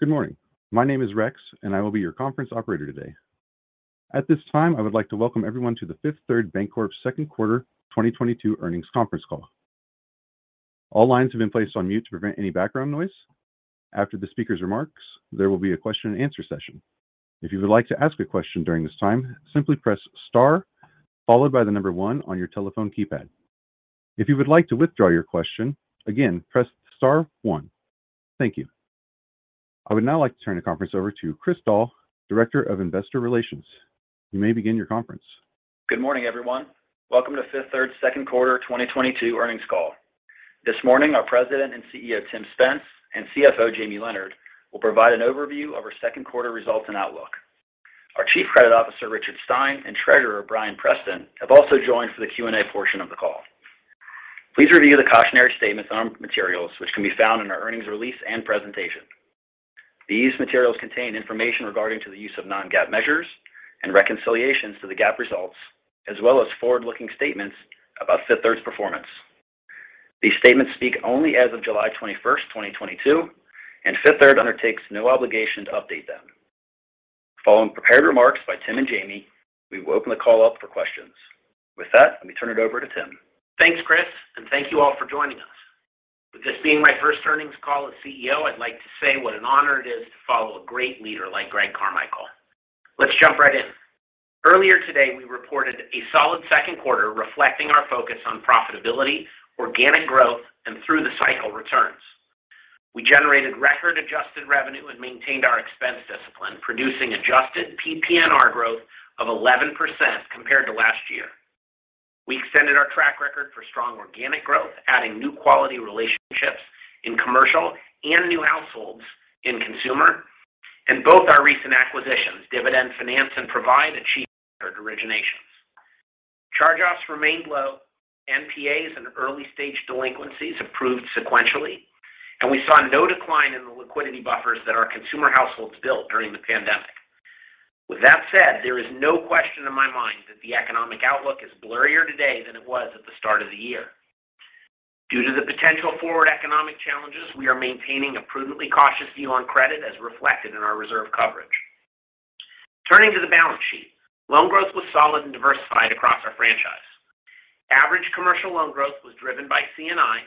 Good morning. My name is Rex, and I will be your conference operator today. At this time, I would like to welcome everyone to the Fifth Third Bancorp second quarter 2022 earnings conference call. All lines have been placed on mute to prevent any background noise. After the speaker's remarks, there will be a question and answer session. If you would like to ask a question during this time, simply press Star followed by the number one on your telephone keypad. If you would like to withdraw your question, again, press star one. Thank you. I would now like to turn the conference over to Chris Doll, Director of Investor Relations. You may begin your conference. Good morning, everyone. Welcome to Fifth Third second quarter 2022 earnings call. This morning, our President and CEO, Tim Spence, and CFO, Jamie Leonard, will provide an overview of our second quarter results and outlook. Our Chief Credit Officer, Richard Stein, and Treasurer Bryan Preston have also joined for the Q&A portion of the call. Please review the cautionary statements on materials which can be found in our earnings release and presentation. These materials contain information regarding the use of non-GAAP measures and reconciliations to the GAAP results, as well as forward-looking statements about Fifth Third's performance. These statements speak only as of July 21, 2022, and Fifth Third undertakes no obligation to update them. Following prepared remarks by Tim and Jamie, we will open the call up for questions. With that, let me turn it over to Tim. Thanks, Chris, and thank you all for joining us. With this being my first earnings call as CEO, I'd like to say what an honor it is to follow a great leader like Greg Carmichael. Let's jump right in. Earlier today, we reported a solid second quarter reflecting our focus on profitability, organic growth, and through the cycle returns. We generated record adjusted revenue and maintained our expense discipline, producing adjusted PPNR growth of 11% compared to last year. We extended our track record for strong organic growth, adding new quality relationships in commercial and new households in consumer. Both our recent acquisitions, Dividend Finance and Provide, achieved record originations. Charge-offs remained low, NPAs and early-stage delinquencies improved sequentially, and we saw no decline in the liquidity buffers that our consumer households built during the pandemic. With that said, there is no question in my mind that the economic outlook is blurrier today than it was at the start of the year. Due to the potential forward economic challenges, we are maintaining a prudently cautious view on credit as reflected in our reserve coverage. Turning to the balance sheet, loan growth was solid and diversified across our franchise. Average commercial loan growth was driven by C&I,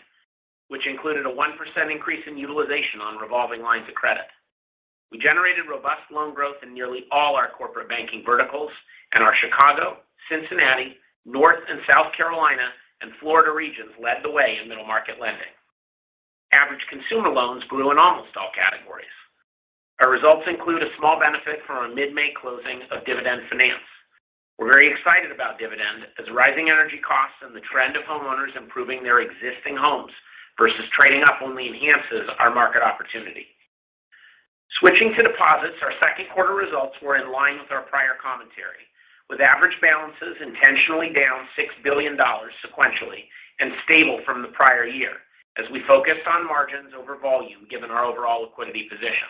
which included a 1% increase in utilization on revolving lines of credit. We generated robust loan growth in nearly all our corporate banking verticals, and our Chicago, Cincinnati, North and South Carolina, and Florida regions led the way in middle market lending. Average consumer loans grew in almost all categories. Our results include a small benefit from a mid-May closing of Dividend Finance. We're very excited about Dividend Finance as rising energy costs and the trend of homeowners improving their existing homes versus trading up only enhances our market opportunity. Switching to deposits, our second quarter results were in line with our prior commentary, with average balances intentionally down $6 billion sequentially and stable from the prior year as we focused on margins over volume given our overall liquidity position.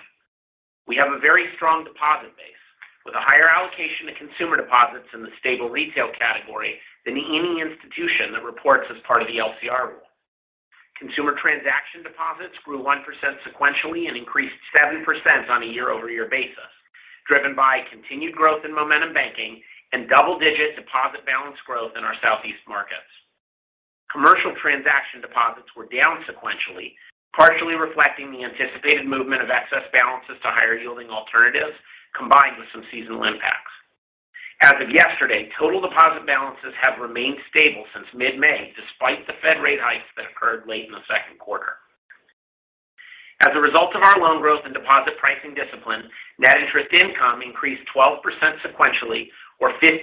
We have a very strong deposit base with a higher allocation to consumer deposits in the stable retail category than any institution that reports as part of the LCR rule. Consumer transaction deposits grew 1% sequentially and increased 7% on a year-over-year basis, driven by continued growth in Momentum Banking and double-digit deposit balance growth in our Southeast markets. Commercial transaction deposits were down sequentially, partially reflecting the anticipated movement of excess balances to higher-yielding alternatives combined with some seasonal impacts. As of yesterday, total deposit balances have remained stable since mid-May despite the Fed rate hikes that occurred late in the second quarter. As a result of our loan growth and deposit pricing discipline, net interest income increased 12% sequentially or 15%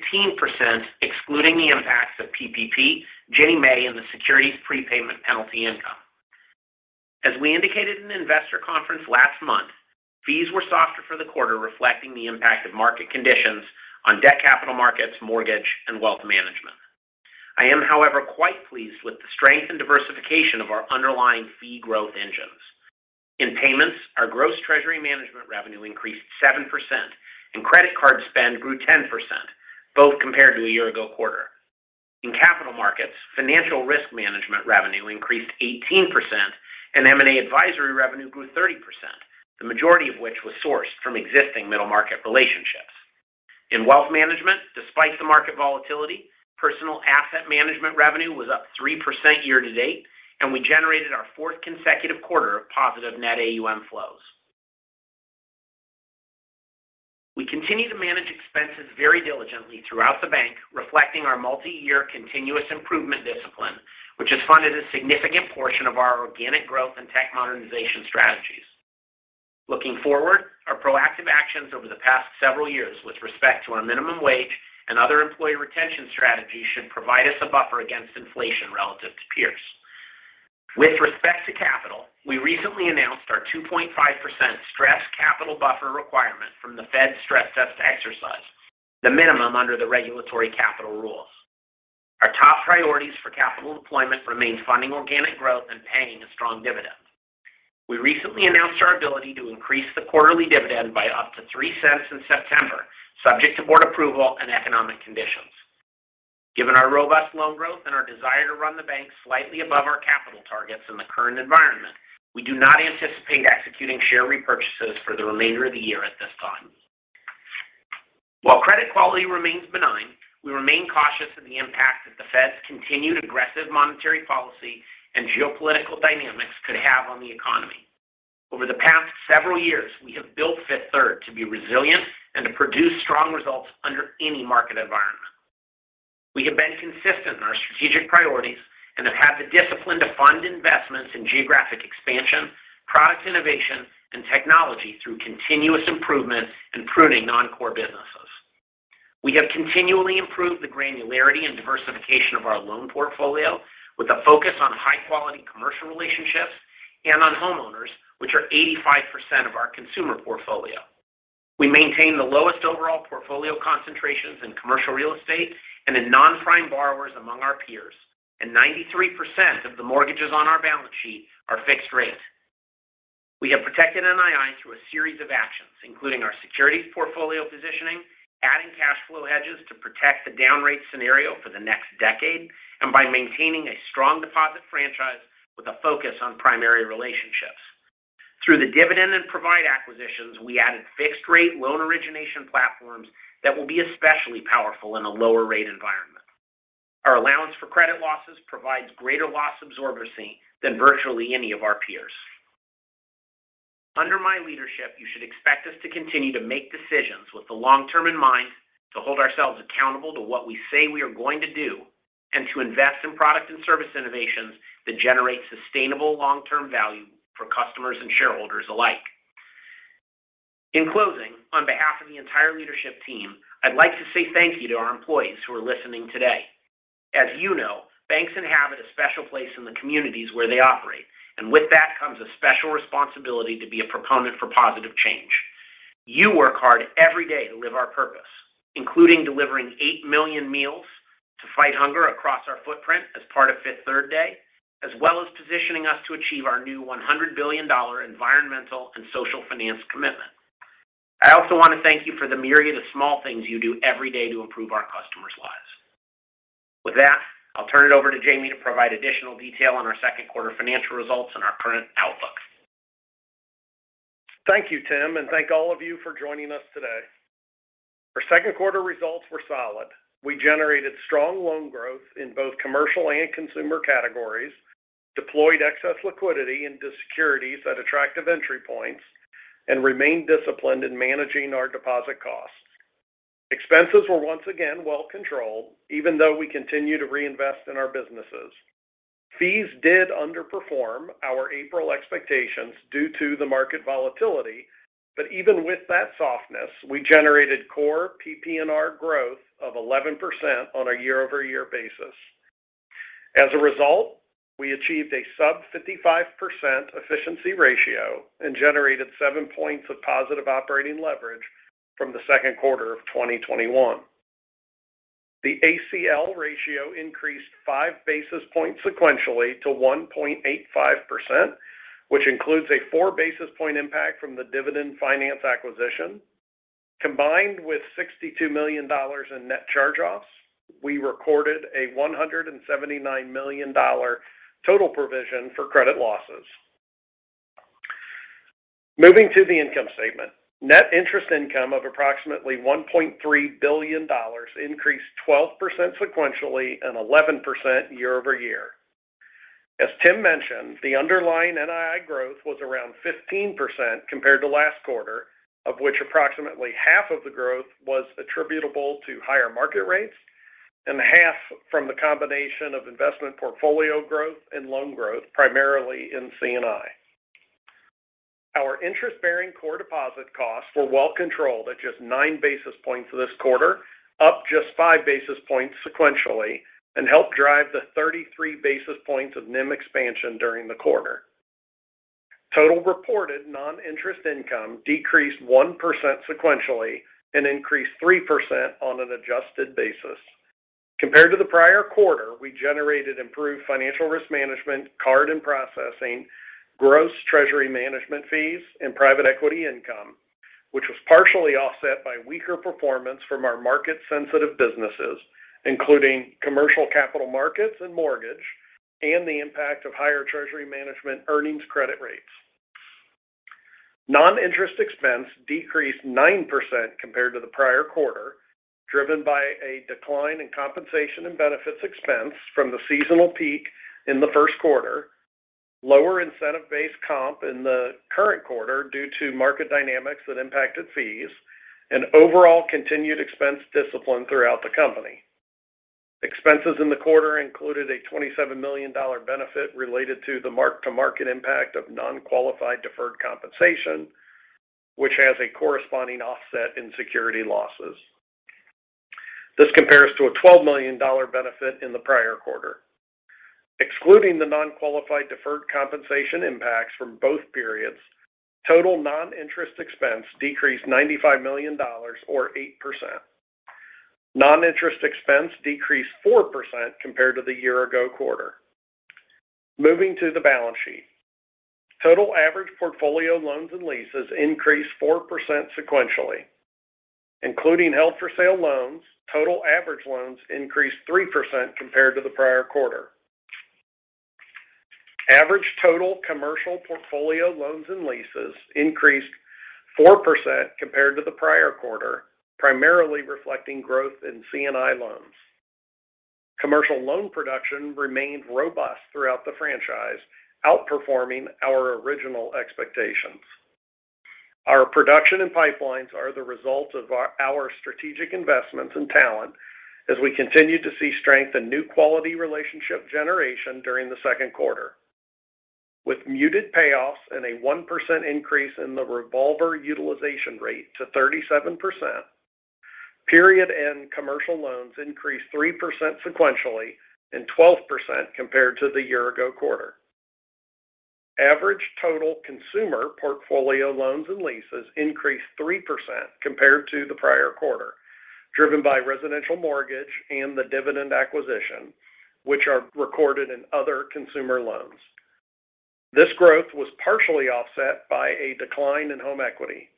excluding the impacts of PPP, Ginnie Mae, and the securities prepayment penalty income. As we indicated in the investor conference last month, fees were softer for the quarter, reflecting the impact of market conditions on debt capital markets, mortgage, and wealth management. I am, however, quite pleased with the strength and diversification of our underlying fee growth engines. In payments, our gross treasury management revenue increased 7% and credit card spend grew 10%, both compared to a year ago quarter. In capital markets, financial risk management revenue increased 18% and M&A advisory revenue grew 30%, the majority of which was sourced from existing middle market relationships. In wealth management, despite the market volatility, personal asset management revenue was up 3% year to date, and we generated our fourth consecutive quarter of positive net AUM flows. We continue to manage expenses very diligently throughout the bank, reflecting our multi-year continuous improvement discipline, which has funded a significant portion of our organic growth and tech modernization strategies. Looking forward, our proactive actions over the past several years with respect to our minimum wage and other employee retention strategies should provide us a buffer against inflation relative to peers. With respect to capital, we recently announced our 2.5% stress capital buffer requirement from the Fed stress test exercise, the minimum under the regulatory capital rules. Our top priorities for capital deployment remain funding organic growth and paying a strong dividend. We recently announced our ability to increase the quarterly dividend by up to $0.03 in September, subject to board approval and economic conditions. Given our robust loan growth and our desire to run the bank slightly above our capital targets in the current environment, we do not anticipate executing share repurchases for the remainder of the year at this time. While credit quality remains benign, we remain cautious of the impact that the Fed's continued aggressive monetary policy and geopolitical dynamics could have on the economy. Over the past several years, we have built Fifth Third to be resilient and to produce strong results under any market environment. We have been consistent in our strategic priorities and have had the discipline to fund investments in geographic expansion, product innovation, and technology through continuous improvement and pruning non-core businesses. We have continually improved the granularity and diversification of our loan portfolio with a focus on high-quality commercial relationships and on homeowners, which are 85% of our consumer portfolio. We maintain the lowest overall portfolio concentrations in commercial real estate and in non-prime borrowers among our peers, and 93% of the mortgages on our balance sheet are fixed rate. We have protected NII through a series of actions, including our securities portfolio positioning, adding cash flow hedges to protect the down rate scenario for the next decade, and by maintaining a strong deposit franchise with a focus on primary relationships. Through the Dividend Finance and Provide acquisitions, we added fixed rate loan origination platforms that will be especially powerful in a lower rate environment. Our allowance for credit losses provides greater loss absorbency than virtually any of our peers. Under my leadership, you should expect us to continue to make decisions with the long term in mind, to hold ourselves accountable to what we say we are going to do, and to invest in product and service innovations that generate sustainable long-term value for customers and shareholders alike. In closing, on behalf of the entire leadership team, I'd like to say thank you to our employees who are listening today. As you know, banks inhabit a special place in the communities where they operate, and with that comes a special responsibility to be a proponent for positive change. You work hard every day to live our purpose, including delivering 8 million meals to fight hunger across our footprint as part of Fifth Third Day, as well as positioning us to achieve our new $100 billion environmental and social finance commitment. I also want to thank you for the myriad of small things you do every day to improve our customers' lives. With that, I'll turn it over to Jamie to provide additional detail on our second quarter financial results and our current outlook. Thank you, Tim, and thank all of you for joining us today. Our second quarter results were solid. We generated strong loan growth in both commercial and consumer categories, deployed excess liquidity into securities at attractive entry points, and remained disciplined in managing our deposit costs. Expenses were once again well controlled even though we continue to reinvest in our businesses. Fees did underperform our April expectations due to the market volatility, but even with that softness, we generated core PPNR growth of 11% on a year-over-year basis. As a result, we achieved a sub 55% efficiency ratio and generated 7 points of positive operating leverage from the second quarter of 2021. The ACL ratio increased 5 basis points sequentially to 1.85%, which includes a 4 basis point impact from the Dividend Finance acquisition. Combined with $62 million in net charge-offs, we recorded a $179 million total provision for credit losses. Moving to the income statement. Net interest income of approximately $1.3 billion increased 12% sequentially and 11% year-over-year. As Tim mentioned, the underlying NII growth was around 15% compared to last quarter, of which approximately half of the growth was attributable to higher market rates and half from the combination of investment portfolio growth and loan growth, primarily in C&I. Our interest-bearing core deposit costs were well controlled at just 9 basis points this quarter, up just 5 basis points sequentially, and helped drive the 33 basis points of NIM expansion during the quarter. Total reported non-interest income decreased 1% sequentially and increased 3% on an adjusted basis. Compared to the prior quarter, we generated improved financial risk management, card and processing, gross treasury management fees, and private equity income, which was partially offset by weaker performance from our market-sensitive businesses, including commercial capital markets and mortgage, and the impact of higher treasury management earnings credit rates. Non-interest expense decreased 9% compared to the prior quarter, driven by a decline in compensation and benefits expense from the seasonal peak in the first quarter. Lower incentive-based comp in the current quarter due to market dynamics that impacted fees and overall continued expense discipline throughout the company. Expenses in the quarter included a $27 million benefit related to the mark-to-market impact of non-qualified deferred compensation, which has a corresponding offset in security losses. This compares to a $12 million benefit in the prior quarter. Excluding the non-qualified deferred compensation impacts from both periods, total non-interest expense decreased $95 million or 8%. Non-interest expense decreased 4% compared to the year-ago quarter. Moving to the balance sheet. Total average portfolio loans and leases increased 4% sequentially. Including held for sale loans, total average loans increased 3% compared to the prior quarter. Average total commercial portfolio loans and leases increased 4% compared to the prior quarter, primarily reflecting growth in C&I loans. Commercial loan production remained robust throughout the franchise, outperforming our original expectations. Our production and pipelines are the result of our strategic investments and talent as we continue to see strength in new quality relationship generation during the second quarter. With muted payoffs and a 1% increase in the revolver utilization rate to 37%, period-end commercial loans increased 3% sequentially and 12% compared to the year-ago quarter. Average total consumer portfolio loans and leases increased 3% compared to the prior quarter, driven by residential mortgage and the Dividend Finance acquisition, which are recorded in other consumer loans. This growth was partially offset by a decline in home equity.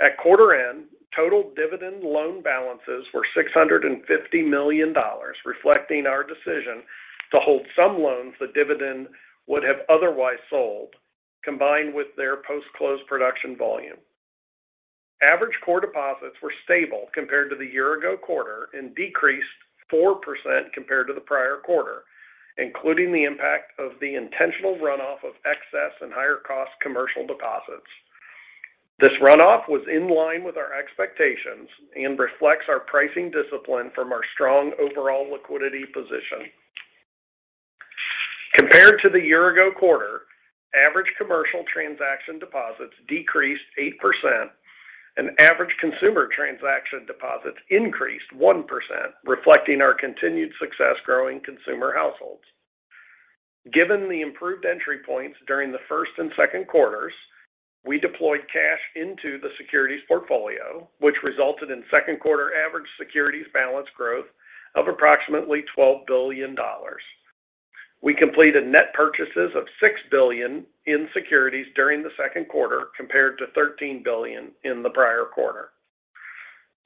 At quarter end, total Dividend Finance loan balances were $650 million, reflecting our decision to hold some loans the Dividend would have otherwise sold, combined with their post-close production volume. Average core deposits were stable compared to the year-ago quarter and decreased 4% compared to the prior quarter, including the impact of the intentional runoff of excess and higher cost commercial deposits. This runoff was in line with our expectations and reflects our pricing discipline from our strong overall liquidity position. Compared to the year-ago quarter, average commercial transaction deposits decreased 8% and average consumer transaction deposits increased 1%, reflecting our continued success growing consumer households. Given the improved entry points during the first and second quarters, we deployed cash into the securities portfolio, which resulted in second-quarter average securities balance growth of approximately $12 billion. We completed net purchases of $6 billion in securities during the second quarter compared to $13 billion in the prior quarter.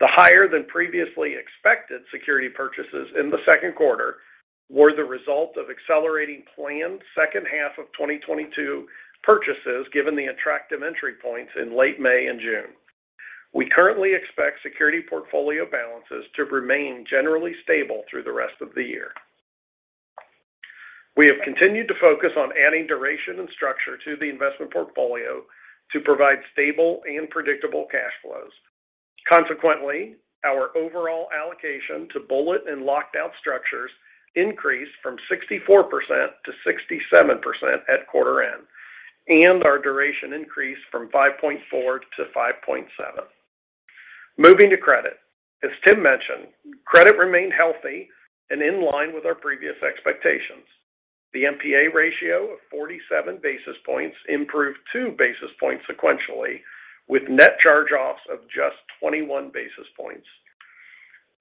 The higher than previously expected security purchases in the second quarter were the result of accelerating planned second half of 2022 purchases given the attractive entry points in late May and June. We currently expect security portfolio balances to remain generally stable through the rest of the year. We have continued to focus on adding duration and structure to the investment portfolio to provide stable and predictable cash flows. Consequently, our overall allocation to bullet and locked out structures increased from 64% to 67% at quarter end, and our duration increased from 5.4 to 5.7. Moving to credit. As Tim mentioned, credit remained healthy and in line with our previous expectations. The NPA ratio of 47 basis points improved 2 basis points sequentially with net charge-offs of just 21 basis points.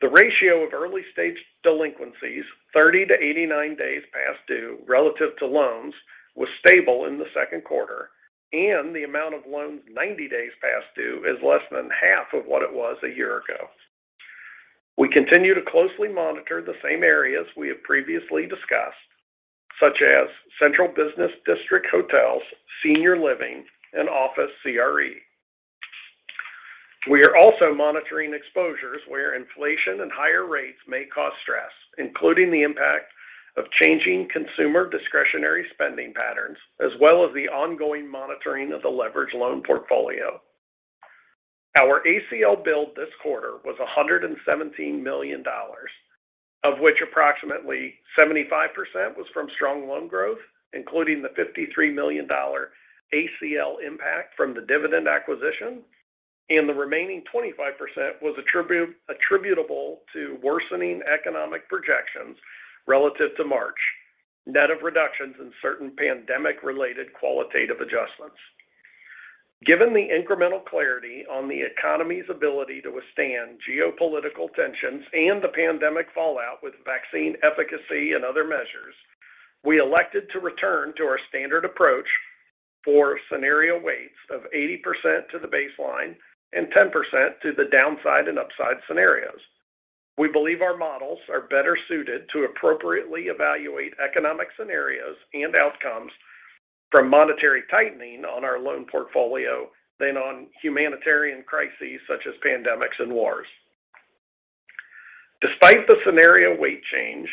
The ratio of early-stage delinquencies, 30-89 days past due relative to loans, was stable in the second quarter, and the amount of loans 90 days past due is less than half of what it was a year ago. We continue to closely monitor the same areas we have previously discussed, such as central business district hotels, senior living, and office CRE. We are also monitoring exposures where inflation and higher rates may cause stress, including the impact of changing consumer discretionary spending patterns, as well as the ongoing monitoring of the leveraged loan portfolio. Our ACL build this quarter was $117 million, of which approximately 75% was from strong loan growth, including the $53 million ACL impact from the Dividend acquisition, and the remaining 25% was attributable to worsening economic projections relative to March, net of reductions in certain pandemic-related qualitative adjustments. Given the incremental clarity on the economy's ability to withstand geopolitical tensions and the pandemic fallout with vaccine efficacy and other measures, we elected to return to our standard approach for scenario weights of 80% to the baseline and 10% to the downside and upside scenarios. We believe our models are better suited to appropriately evaluate economic scenarios and outcomes from monetary tightening on our loan portfolio than on humanitarian crises such as pandemics and wars. Despite the scenario weight change,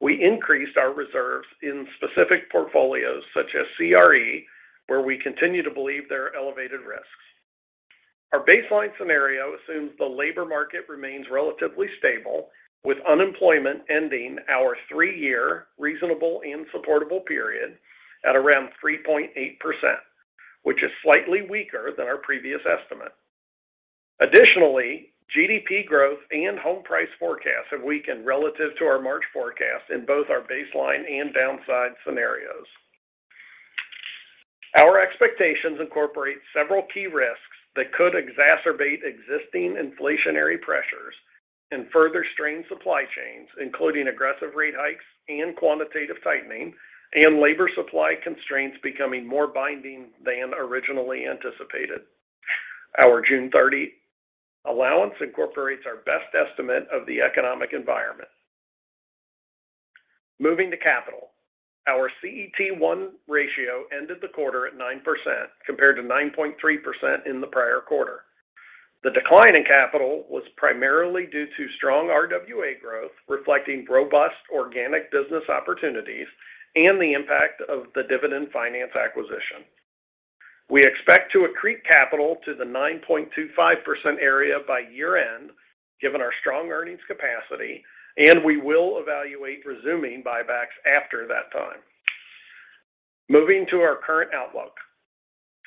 we increased our reserves in specific portfolios such as CRE, where we continue to believe there are elevated risks. Our baseline scenario assumes the labor market remains relatively stable, with unemployment ending our three-year reasonable and supportable period at around 3.8%, which is slightly weaker than our previous estimate. Additionally, GDP growth and home price forecasts have weakened relative to our March forecast in both our baseline and downside scenarios. Our expectations incorporate several key risks that could exacerbate existing inflationary pressures and further strain supply chains, including aggressive rate hikes and quantitative tightening and labor supply constraints becoming more binding than originally anticipated. Our June 30 allowance incorporates our best estimate of the economic environment. Moving to capital. Our CET1 ratio ended the quarter at 9% compared to 9.3% in the prior quarter. The decline in capital was primarily due to strong RWA growth, reflecting robust organic business opportunities and the impact of the Dividend Finance acquisition. We expect to accrete capital to the 9.25% area by year-end, given our strong earnings capacity, and we will evaluate resuming buybacks after that time. Moving to our current outlook.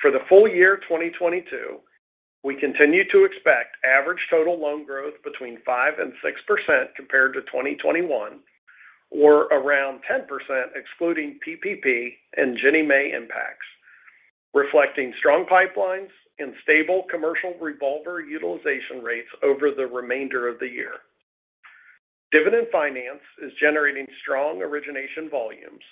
For the full year 2022, we continue to expect average total loan growth between 5%-6% compared to 2021 or around 10% excluding PPP and Ginnie Mae impacts, reflecting strong pipelines and stable commercial revolver utilization rates over the remainder of the year. Dividend Finance is generating strong origination volumes.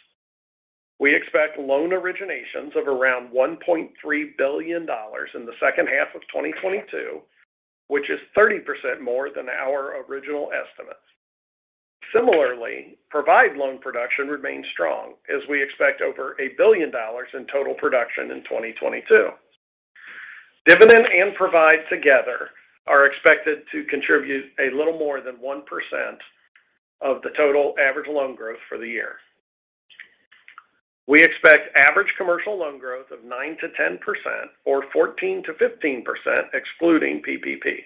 We expect loan originations of around $1.3 billion in the second half of 2022, which is 30% more than our original estimates. Similarly, Provide loan production remains strong as we expect over $1 billion in total production in 2022. Dividend Finance and Provide together are expected to contribute a little more than 1% of the total average loan growth for the year. We expect average commercial loan growth of 9%-10% or 14%-15% excluding PPP.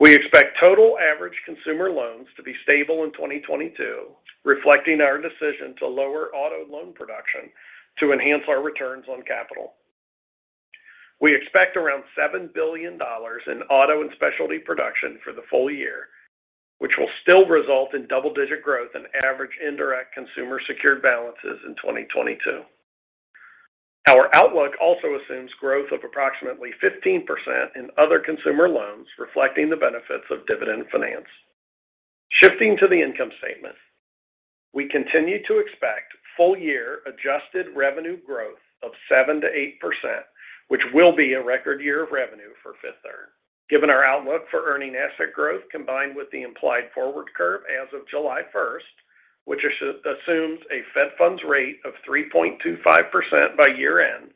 We expect total average consumer loans to be stable in 2022, reflecting our decision to lower auto loan production to enhance our returns on capital. We expect around $7 billion in auto and specialty production for the full year, which will still result in double-digit growth in average indirect consumer secured balances in 2022. Our outlook also assumes growth of approximately 15% in other consumer loans reflecting the benefits of Dividend Finance. Shifting to the income statement. We continue to expect full year adjusted revenue growth of 7%-8%, which will be a record year of revenue for Fifth Third. Given our outlook for earning asset growth combined with the implied forward curve as of July 1, which assumes a Fed funds rate of 3.25% by year-end,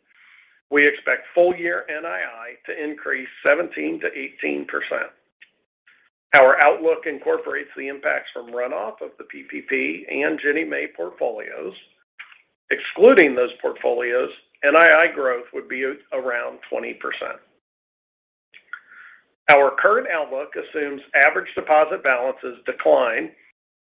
we expect full year NII to increase 17%-18%. Our outlook incorporates the impacts from runoff of the PPP and Ginnie Mae portfolios. Excluding those portfolios, NII growth would be around 20%. Our current outlook assumes average deposit balances decline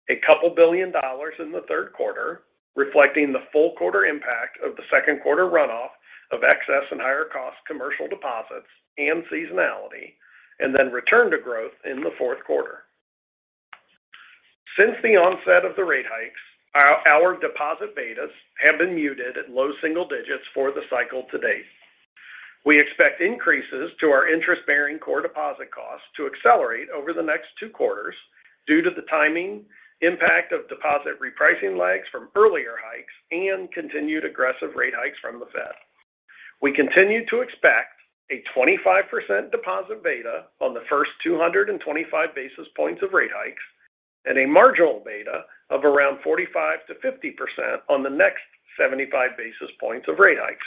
a couple billion dollars in the third quarter, reflecting the full quarter impact of the second quarter runoff of excess and higher cost commercial deposits and seasonality, and then return to growth in the fourth quarter. Since the onset of the rate hikes, our deposit betas have been muted at low single digits for the cycle to date. We expect increases to our interest-bearing core deposit costs to accelerate over the next two quarters due to the timing, impact of deposit repricing lags from earlier hikes, and continued aggressive rate hikes from the Fed. We continue to expect a 25% deposit beta on the first 225 basis points of rate hikes and a marginal beta of around 45%-50% on the next 75 basis points of rate hikes.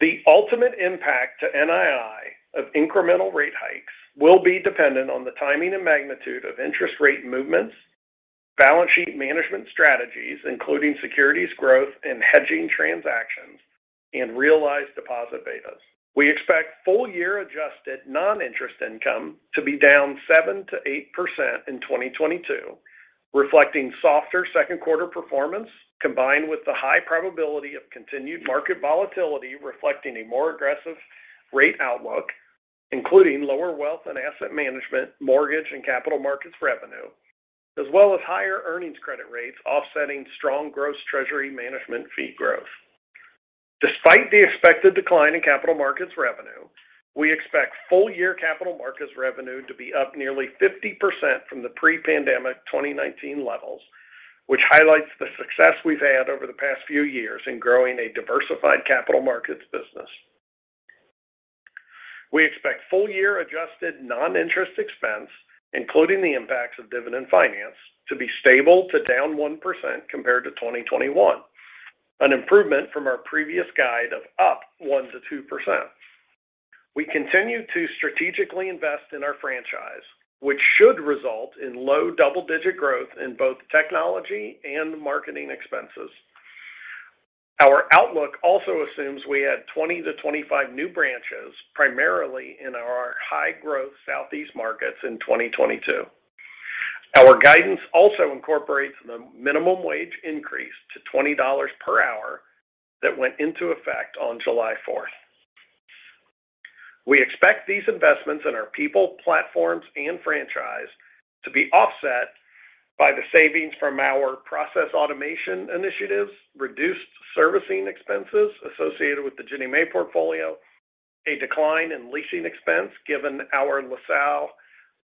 The ultimate impact to NII of incremental rate hikes will be dependent on the timing and magnitude of interest rate movements, balance sheet management strategies, including securities growth and hedging transactions and realized deposit betas. We expect full year adjusted non-interest income to be down 7%-8% in 2022, reflecting softer second quarter performance combined with the high probability of continued market volatility reflecting a more aggressive rate outlook, including lower wealth and asset management, mortgage and capital markets revenue, as well as higher earnings credit rates offsetting strong gross treasury management fee growth. Despite the expected decline in capital markets revenue, we expect full-year capital markets revenue to be up nearly 50% from the pre-pandemic 2019 levels, which highlights the success we've had over the past few years in growing a diversified capital markets business. We expect full-year adjusted noninterest expense, including the impacts of Dividend Finance, to be stable to down 1% compared to 2021, an improvement from our previous guide of up 1%-2%. We continue to strategically invest in our franchise, which should result in low double-digit growth in both technology and marketing expenses. Our outlook also assumes we add 20-25 new branches, primarily in our high-growth Southeast markets in 2022. Our guidance also incorporates the minimum wage increase to $20 per hour that went into effect on July 4. We expect these investments in our people, platforms, and franchise to be offset by the savings from our process automation initiatives, reduced servicing expenses associated with the Ginnie Mae portfolio, a decline in leasing expense given our LaSalle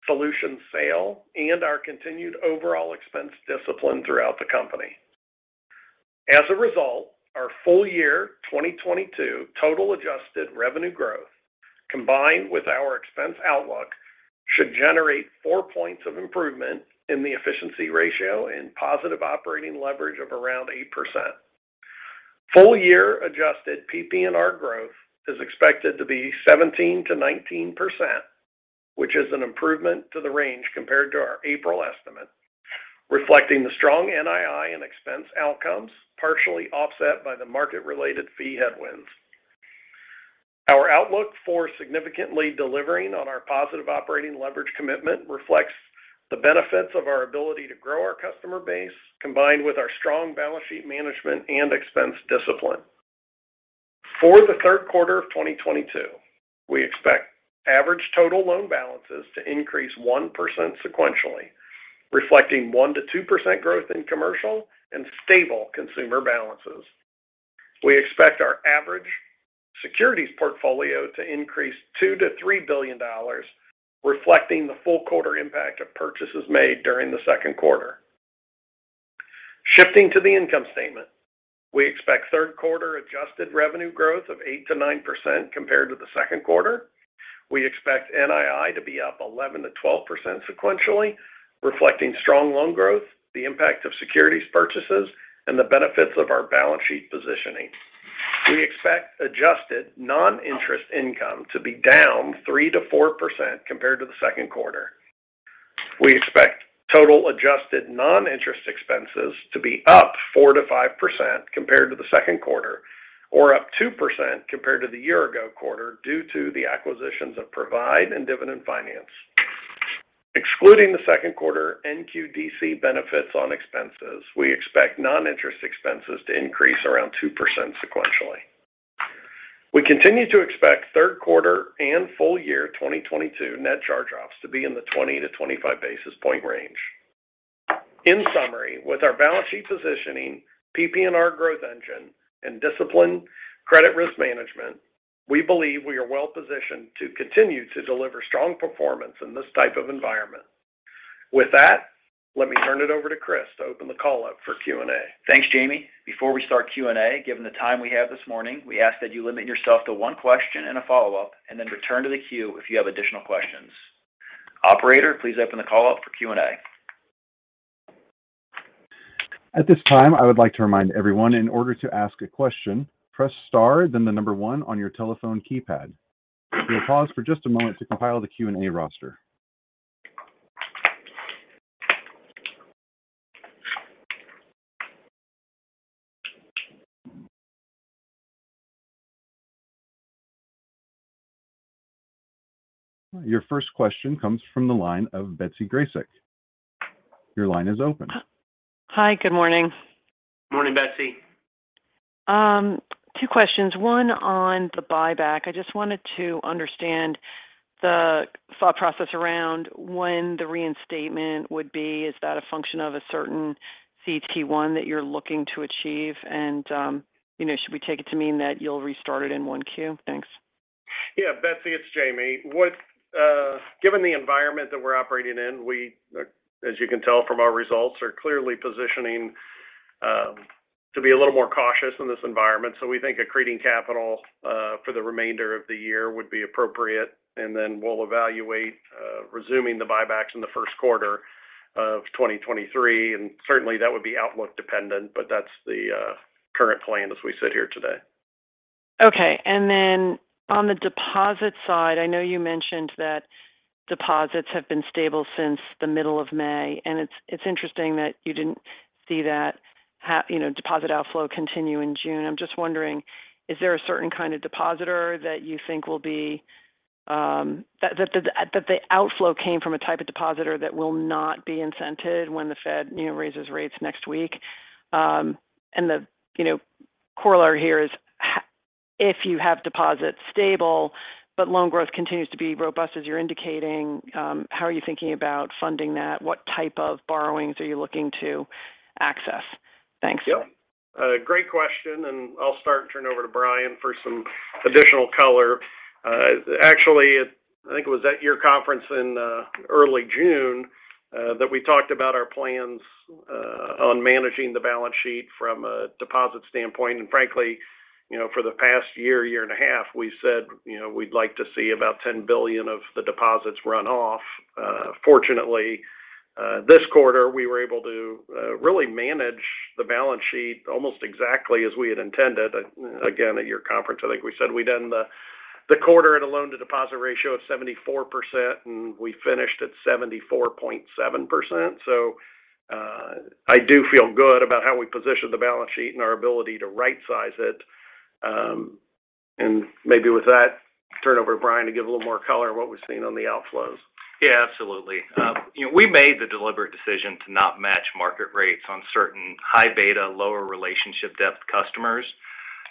Solutions sale, and our continued overall expense discipline throughout the company. As a result, our full year 2022 total adjusted revenue growth, combined with our expense outlook, should generate 4 points of improvement in the efficiency ratio and positive operating leverage of around 8%. Full year adjusted PPNR growth is expected to be 17%-19%, which is an improvement to the range compared to our April estimate, reflecting the strong NII and expense outcomes, partially offset by the market-related fee headwinds. Our outlook for significantly delivering on our positive operating leverage commitment reflects the benefits of our ability to grow our customer base combined with our strong balance sheet management and expense discipline. For the third quarter of 2022, we expect average total loan balances to increase 1% sequentially, reflecting 1%-2% growth in commercial and stable consumer balances. We expect our average securities portfolio to increase $2 billion-$3 billion, reflecting the full quarter impact of purchases made during the second quarter. Shifting to the income statement. We expect third quarter adjusted revenue growth of 8%-9% compared to the second quarter. We expect NII to be up 11%-12% sequentially, reflecting strong loan growth, the impact of securities purchases, and the benefits of our balance sheet positioning. We expect adjusted non-interest income to be down 3%-4% compared to the second quarter. We expect total adjusted non-interest expenses to be up 4%-5% compared to the second quarter or up 2% compared to the year-ago quarter due to the acquisitions of Provide and Dividend Finance. Excluding the second quarter NQDC benefits on expenses, we expect non-interest expenses to increase around 2% sequentially. We continue to expect third quarter and full-year 2022 net charge-offs to be in the 20-25 basis point range. In summary, with our balance sheet positioning, PPNR growth engine, and disciplined credit risk management, we believe we are well positioned to continue to deliver strong performance in this type of environment. With that, let me turn it over to Chris to open the call up for Q&A. Thanks, Jamie. Before we start Q&A, given the time we have this morning, we ask that you limit yourself to one question and a follow-up and then return to the queue if you have additional questions. Operator, please open the call up for Q&A. At this time, I would like to remind everyone in order to ask a question, press star, then the number one on your telephone keypad. We'll pause for just a moment to compile the Q&A roster. Your first question comes from the line of Betsy Graseck. Your line is open. Hi, good morning. Morning, Betsy. Two questions. One on the buyback. I just wanted to understand the thought process around when the reinstatement would be. Is that a function of a certain CET1 that you're looking to achieve? You know, should we take it to mean that you'll restart it in 1Q? Thanks. Yeah, Betsy, it's Jamie. Given the environment that we're operating in, we, as you can tell from our results, are clearly positioning to be a little more cautious in this environment. We think accreting capital for the remainder of the year would be appropriate, and then we'll evaluate resuming the buybacks in the first quarter of 2023. Certainly, that would be outlook dependent, but that's the current plan as we sit here today. Okay. On the deposit side, I know you mentioned that deposits have been stable since the middle of May, and it's interesting that you didn't see that, you know, deposit outflow continue in June. I'm just wondering, is there a certain kind of depositor that you think will be that the outflow came from a type of depositor that will not be incented when the Fed, you know, raises rates next week? The, you know, corollary here is if you have deposits stable, but loan growth continues to be robust as you're indicating, how are you thinking about funding that? What type of borrowings are you looking to access? Thanks. Yep. A great question, and I'll start and turn over to Bryan for some additional color. Actually, I think it was at your conference in early June that we talked about our plans on managing the balance sheet from a deposit standpoint. Frankly, you know, for the past year and a half, we said, you know, we'd like to see about $10 billion of the deposits run off. Fortunately, this quarter, we were able to really manage the balance sheet almost exactly as we had intended. Again, at your conference, I think we said we'd end the quarter at a loan-to-deposit ratio of 74%, and we finished at 74.7%. I do feel good about how we positioned the balance sheet and our ability to right-size it. Maybe with that, turn it over to Bryan to give a little more color on what we've seen on the outflows. Yeah, absolutely. You know, we made the deliberate decision to not match market rates on certain high beta, lower relationship depth customers.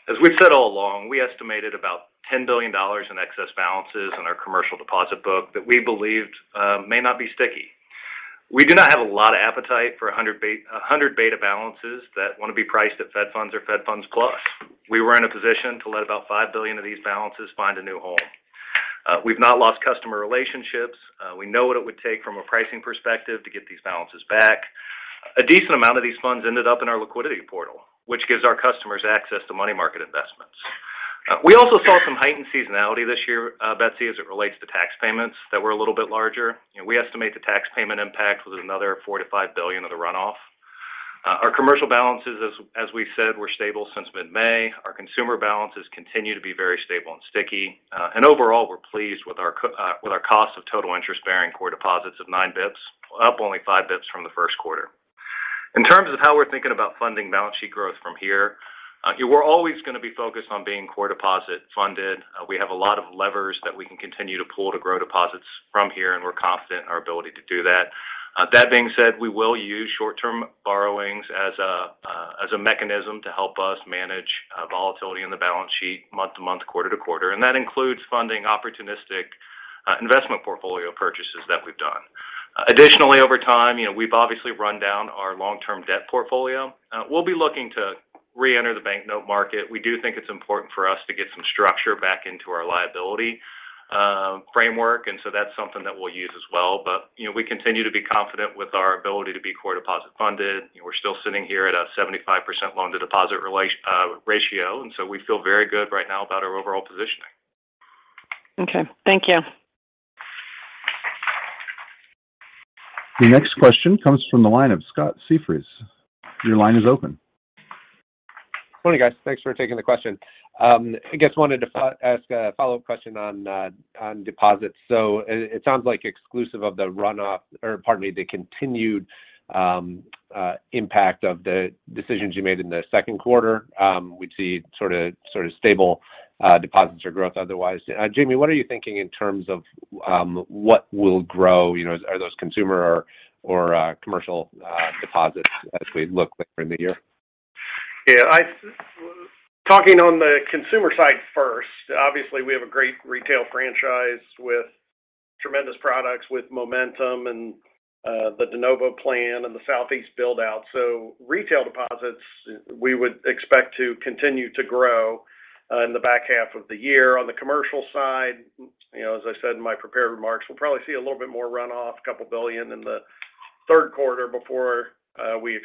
As we've said all along, we estimated about $10 billion in excess balances in our commercial deposit book that we believed may not be sticky. We do not have a lot of appetite for 100 beta balances that want to be priced at Fed funds or Fed funds plus. We were in a position to let about $5 billion of these balances find a new home. We've not lost customer relationships. We know what it would take from a pricing perspective to get these balances back. A decent amount of these funds ended up in our liquidity portal, which gives our customers access to money market investments. We also saw some heightened seasonality this year, Betsy, as it relates to tax payments that were a little bit larger. We estimate the tax payment impact was another $4 billion-$5 billion of the runoff. Our commercial balances, as we said, were stable since mid-May. Our consumer balances continue to be very stable and sticky. Overall, we're pleased with our cost of total interest-bearing core deposits of 9 basis points, up only 5 basis points from the first quarter. In terms of how we're thinking about funding balance sheet growth from here, you know, we're always going to be focused on being core deposit funded. We have a lot of levers that we can continue to pull to grow deposits from here, and we're confident in our ability to do that. That being said, we will use short-term borrowings as a mechanism to help us manage volatility in the balance sheet month to month, quarter to quarter. That includes funding opportunistic investment portfolio purchases that we've done. Additionally, over time, you know, we've obviously run down our long-term debt portfolio. We'll be looking to reenter the banknote market. We do think it's important for us to get some structure back into our liability framework, and so that's something that we'll use as well. You know, we continue to be confident with our ability to be core deposit funded. You know, we're still sitting here at a 75% loan-to-deposit ratio, and so we feel very good right now about our overall positioning. Okay. Thank you. The next question comes from the line of Scott Siefers. Your line is open. Morning, guys. Thanks for taking the question. I guess wanted to ask a follow-up question on deposits. It sounds like exclusive of the continued impact of the decisions you made in the second quarter, we'd see sort of stable deposits or growth otherwise. Jamie, what are you thinking in terms of what will grow, you know, are those consumer or commercial deposits as we look like for the year? Talking on the consumer side first, obviously, we have a great retail franchise with tremendous products, with momentum and the de novo plan and the Southeast build-out. Retail deposits, we would expect to continue to grow in the back half of the year. On the commercial side, you know, as I said in my prepared remarks, we'll probably see a little bit more runoff, $2 billion in the third quarter before we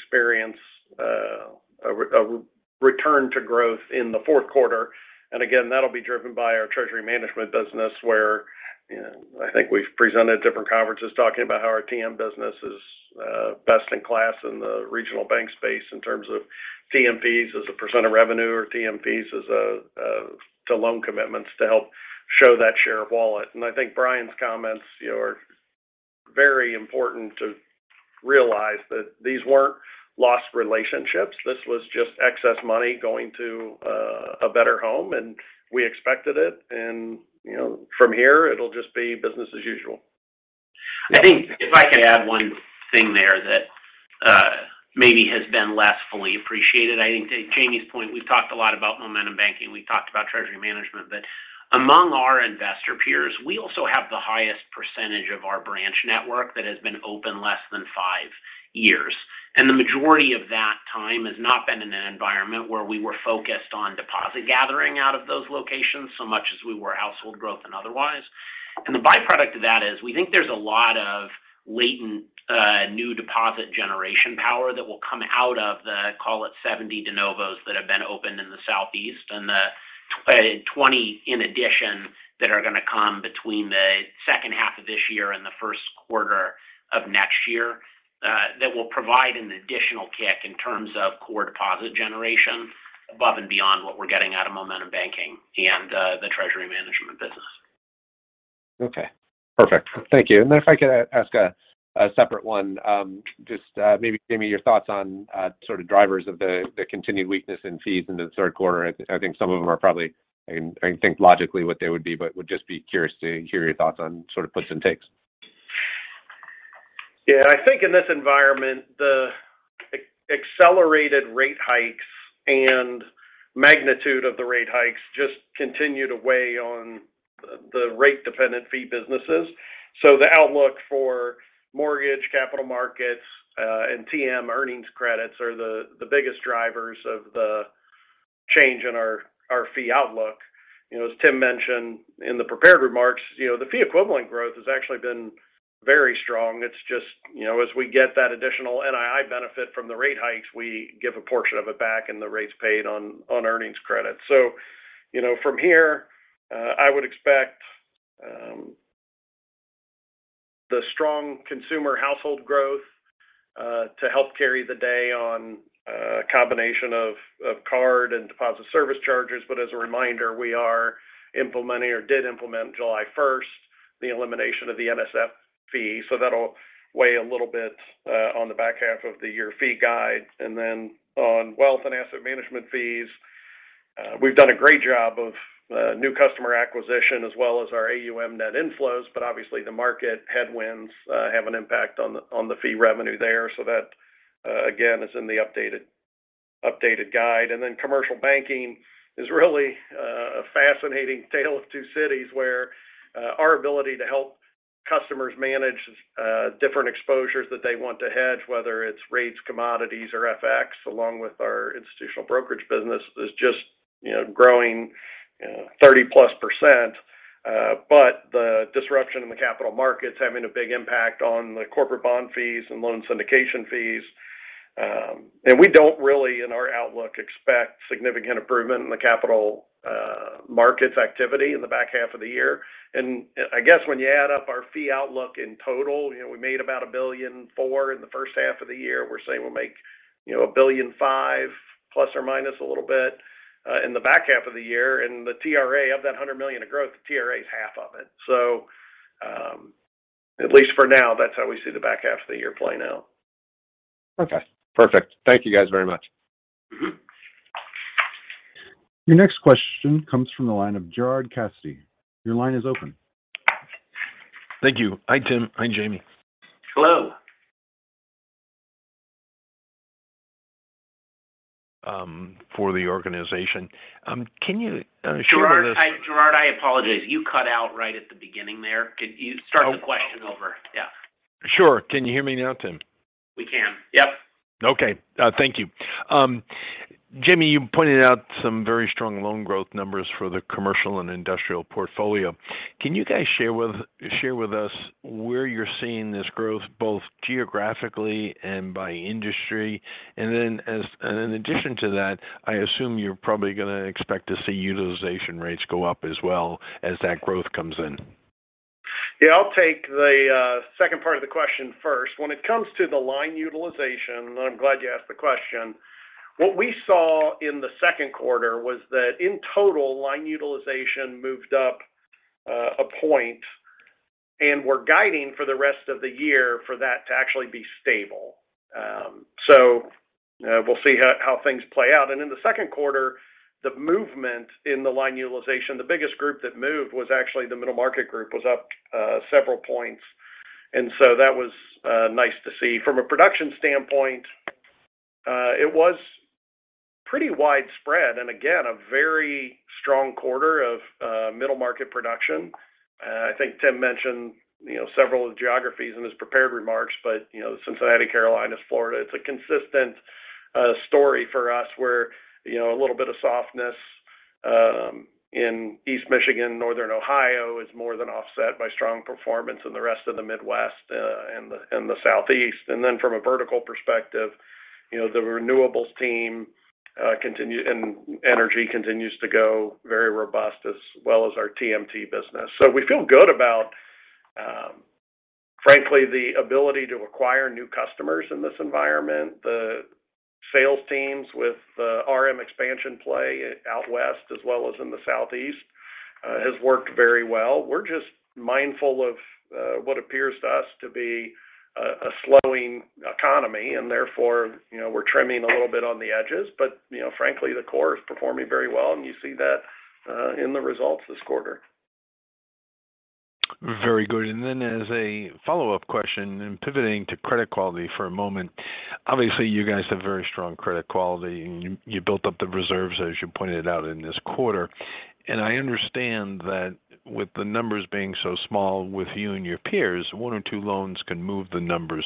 experience a return to growth in the fourth quarter. Again, that'll be driven by our treasury management business, where, you know, I think we've presented at different conferences talking about how our TM business is best in class in the regional bank space in terms of TMPs as a percent of revenue or TMPs as a to loan commitments to help show that share of wallet. I think Bryan's comments, you know, are very important to realize that these weren't lost relationships. This was just excess money going to a better home, and we expected it. You know, from here, it'll just be business as usual. I think if I could add one thing there that, maybe has been less fully appreciated. I think to Jamie's point, we've talked a lot about momentum banking, we've talked about treasury management, but among our investor peers, we also have the highest percentage of our branch network that has been open less than five years. The majority of that time has not been in an environment where we were focused on deposit gathering out of those locations so much as we were household growth and otherwise. The byproduct of that is we think there's a lot of latent new deposit generation power that will come out of the, call it, 70 de novos that have been opened in the Southeast and the 20 in addition that are going to come between the second half of this year and the first quarter of next year, that will provide an additional kick in terms of core deposit generation above and beyond what we're getting out of Momentum Banking and the treasury management business. Okay. Perfect. Thank you. If I could ask a separate one. Just maybe give me your thoughts on sort of drivers of the continued weakness in fees in the third quarter. I think some of them are probably. I think logically what they would be, but would just be curious to hear your thoughts on sort of puts and takes. Yeah. I think in this environment, the accelerated rate hikes and magnitude of the rate hikes just continue to weigh on the rate-dependent fee businesses. The outlook for mortgage, capital markets, and TM earnings credits are the biggest drivers of the change in our fee outlook. You know, as Tim mentioned in the prepared remarks, you know, the fee equivalent growth has actually been very strong. It's just, you know, as we get that additional NII benefit from the rate hikes, we give a portion of it back and the rates paid on earnings credits. You know, from here, I would expect the strong consumer household growth to help carry the day on a combination of card and deposit service charges. As a reminder, we are implementing or did implement July first, the elimination of the NSF fee. That'll weigh a little bit on the back half of the year fee guide. Then on wealth and asset management fees, we've done a great job of new customer acquisition as well as our AUM net inflows. Obviously, the market headwinds have an impact on the fee revenue there. That again is in the updated guide. Then commercial banking is really a fascinating tale of two cities where our ability to help customers manage different exposures that they want to hedge, whether it's rates, commodities, or FX, along with our institutional brokerage business is just, you know, growing, you know, 30%+. The disruption in the capital markets having a big impact on the corporate bond fees and loan syndication fees. We don't really, in our outlook, expect significant improvement in the capital markets activity in the back half of the year. I guess when you add up our fee outlook in total, you know, we made about $1.4 billion in the first half of the year. We're saying we'll make, you know, ±$1.5 billion a little bit in the back half of the year. The TRA of that $100 million of growth, the TRA is half of it. At least for now, that's how we see the back half of the year play out. Okay. Perfect. Thank you guys very much. Your next question comes from the line of Gerard Cassidy. Your line is open. Thank you. Hi, Tim. Hi, Jamie. Hello. For the organization. Can you share with us? Gerard, I apologize. You cut out right at the beginning there. Can you start the question over? Yeah. Sure. Can you hear me now, Tim? We can. Yep. Okay. Thank you. Jamie, you pointed out some very strong loan growth numbers for the commercial and industrial portfolio. Can you guys share with us where you're seeing this growth both geographically and by industry? In addition to that, I assume you're probably going to expect to see utilization rates go up as well as that growth comes in. Yeah. I'll take the second part of the question first. When it comes to the line utilization, I'm glad you asked the question. What we saw in the second quarter was that in total, line utilization moved up a point, and we're guiding for the rest of the year for that to actually be stable. We'll see how things play out. In the second quarter, the movement in the line utilization, the biggest group that moved was actually the middle market group, was up several points. That was nice to see. From a production standpoint, it was pretty widespread and again, a very strong quarter of middle market production. I think Tim mentioned, you know, several geographies in his prepared remarks, but, you know, Cincinnati, Carolinas, Florida. It's a consistent story for us where, you know, a little bit of softness in East Michigan, Northern Ohio is more than offset by strong performance in the rest of the Midwest, and the Southeast. Then from a vertical perspective, you know, the renewables team and energy continues to go very robust as well as our TMT business. We feel good about, frankly, the ability to acquire new customers in this environment. The sales teams with the RM expansion play out west as well as in the southeast has worked very well. We're just mindful of what appears to us to be a slowing economy, and therefore, you know, we're trimming a little bit on the edges. You know, frankly, the core is performing very well, and you see that in the results this quarter. Very good. Then as a follow-up question and pivoting to credit quality for a moment. Obviously, you guys have very strong credit quality, and you built up the reserves, as you pointed out in this quarter. I understand that with the numbers being so small with you and your peers, one or two loans can move the numbers.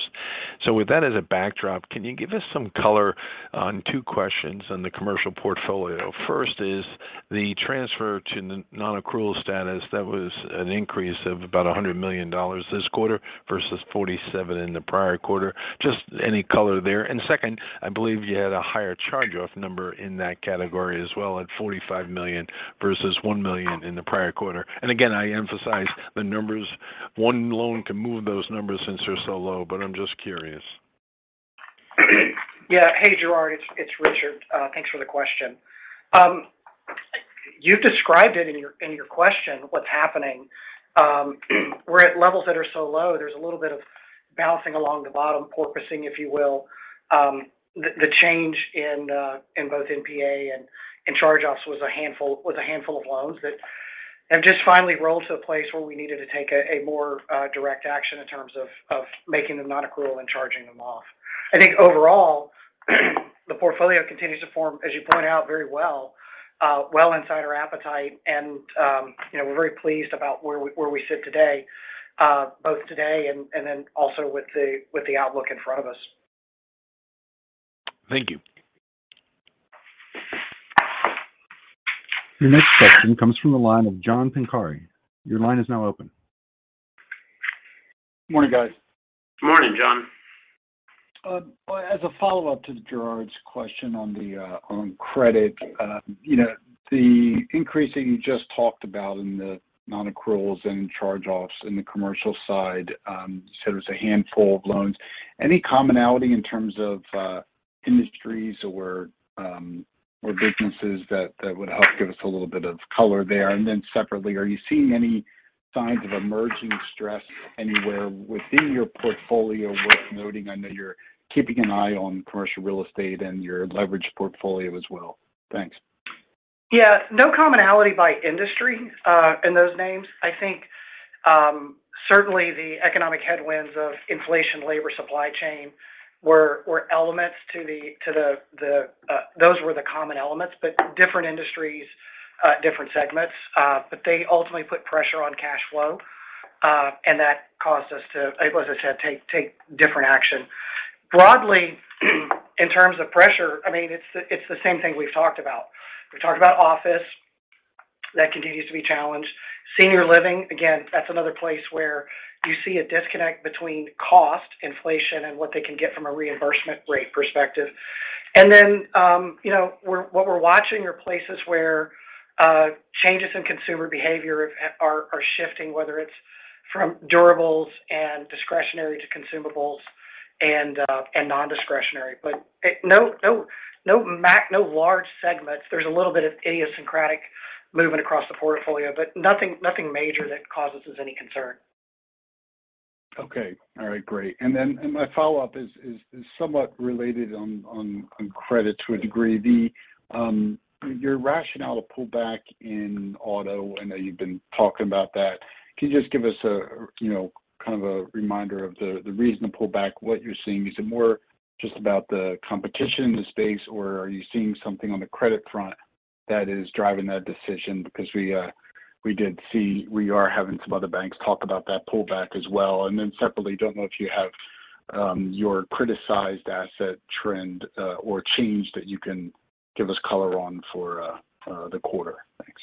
With that as a backdrop, can you give us some color on two questions in the commercial portfolio? First is the transfer to non-accrual status. That was an increase of about $100 million this quarter versus $47 million in the prior quarter. Just any color there. Second, I believe you had a higher charge-off number in that category as well at $45 million versus $1 million in the prior quarter. Again, I emphasize the numbers. One loan can move those numbers since they're so low, but I'm just curious. Yeah. Hey, Gerard. It's Richard. Thanks for the question. You described it in your question what's happening. We're at levels that are so low, there's a little bit of bouncing along the bottom, porpoising, if you will. The change in both NPA and in charge-offs was a handful of loans that have just finally rolled to the place where we needed to take a more direct action in terms of making them non-accrual and charging them off. I think overall, the portfolio continues to form, as you point out very well, well inside our appetite. You know, we're very pleased about where we sit today, both today and then also with the outlook in front of us. Thank you. Your next question comes from the line of John Pancari. Your line is now open. Morning, guys. Morning, John. As a follow-up to Gerard's question on credit, you know, the increase that you just talked about in the non-accruals and charge-offs in the commercial side, you said it was a handful of loans. Any commonality in terms of industries or businesses that would help give us a little bit of color there? And then separately, are you seeing any signs of emerging stress anywhere within your portfolio worth noting? I know you're keeping an eye on commercial real estate and your leverage portfolio as well. Thanks. Yeah. No commonality by industry in those names. I think certainly the economic headwinds of inflation, labor supply chain were elements. Those were the common elements, but different industries, different segments. They ultimately put pressure on cash flow and that caused us to, like, as I said, take different action. Broadly, in terms of pressure, I mean, it's the same thing we've talked about. We've talked about office. That continues to be challenged. Senior living, again, that's another place where you see a disconnect between cost inflation and what they can get from a reimbursement rate perspective. What we're watching are places where changes in consumer behavior are shifting, whether it's from durables and discretionary to consumables and nondiscretionary. No large segments. There's a little bit of idiosyncratic movement across the portfolio, but nothing major that causes us any concern. Okay. All right, great. My follow-up is somewhat related on credit to a degree. Your rationale to pull back in auto, I know you've been talking about that. Can you just give us a, you know, kind of a reminder of the reason to pull back what you're seeing? Is it more just about the competition in the space, or are you seeing something on the credit front that is driving that decision? Because we're hearing some other banks talk about that pullback as well. Then separately, don't know if you have your criticized asset trend or change that you can give us color on for the quarter. Thanks.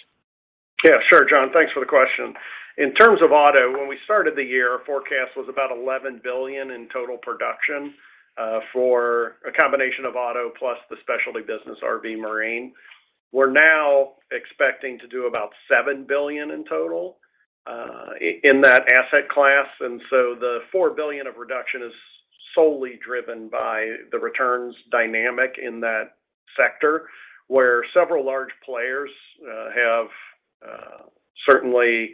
Yeah, sure, John. Thanks for the question. In terms of auto, when we started the year, our forecast was about $11 billion in total production for a combination of auto plus the specialty business RV/marine. We're now expecting to do about $7 billion in total in that asset class. The four billion of reduction is solely driven by the returns dynamic in that sector, where several large players have certainly,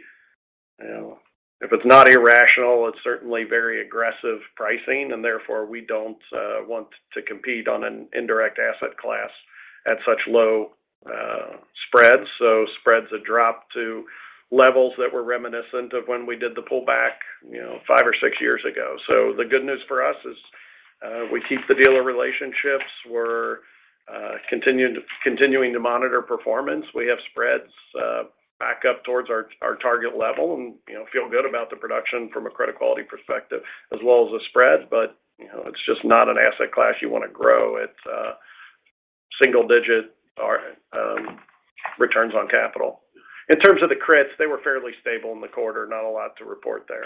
you know, if it's not irrational, it's certainly very aggressive pricing, and therefore, we don't want to compete on an indirect asset class at such low spreads. Spreads have dropped to levels that were reminiscent of when we did the pullback, you know, five or six years ago. The good news for us is we keep the dealer relationships. We're continuing to monitor performance. We have spreads back up towards our target level and, you know, feel good about the production from a credit quality perspective as well as the spreads. You know, it's just not an asset class you wanna grow. It's single digit or returns on capital. In terms of the CREs, they were fairly stable in the quarter. Not a lot to report there.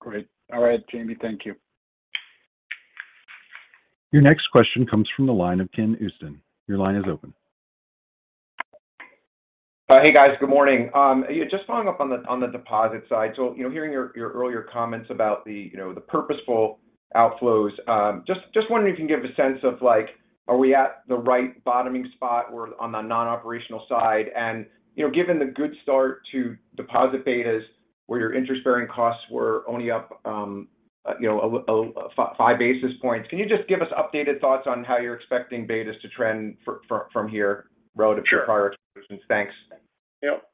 Great. All right, Jamie, thank you. Your next question comes from the line of Ken Usdin. Your line is open. Hey, guys. Good morning. Yeah, just following up on the deposit side. You know, hearing your earlier comments about the purposeful outflows. Just wondering if you can give a sense of, like, are we at the right bottoming spot or on the non-operational side? You know, given the good start to deposit betas where your interest-bearing costs were only up, you know, five basis points. Can you just give us updated thoughts on how you're expecting betas to trend from here relative- Sure. To prior exposures? Thanks. Yep.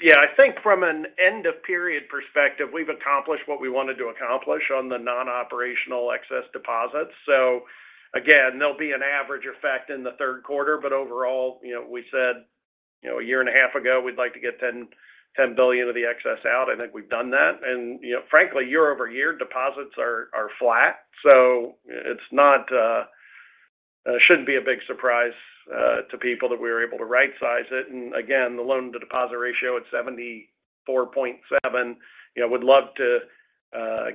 Yeah, I think from an end of period perspective, we've accomplished what we wanted to accomplish on the non-operational excess deposits. Again, there'll be an average effect in the third quarter, but overall, you know, we said, you know, a year and a half ago we'd like to get $10 billion of the excess out. I think we've done that. You know, frankly, year-over-year deposits are flat, so it shouldn't be a big surprise to people that we were able to right size it. Again, the loan-to-deposit ratio at 74.7%. You know, would love to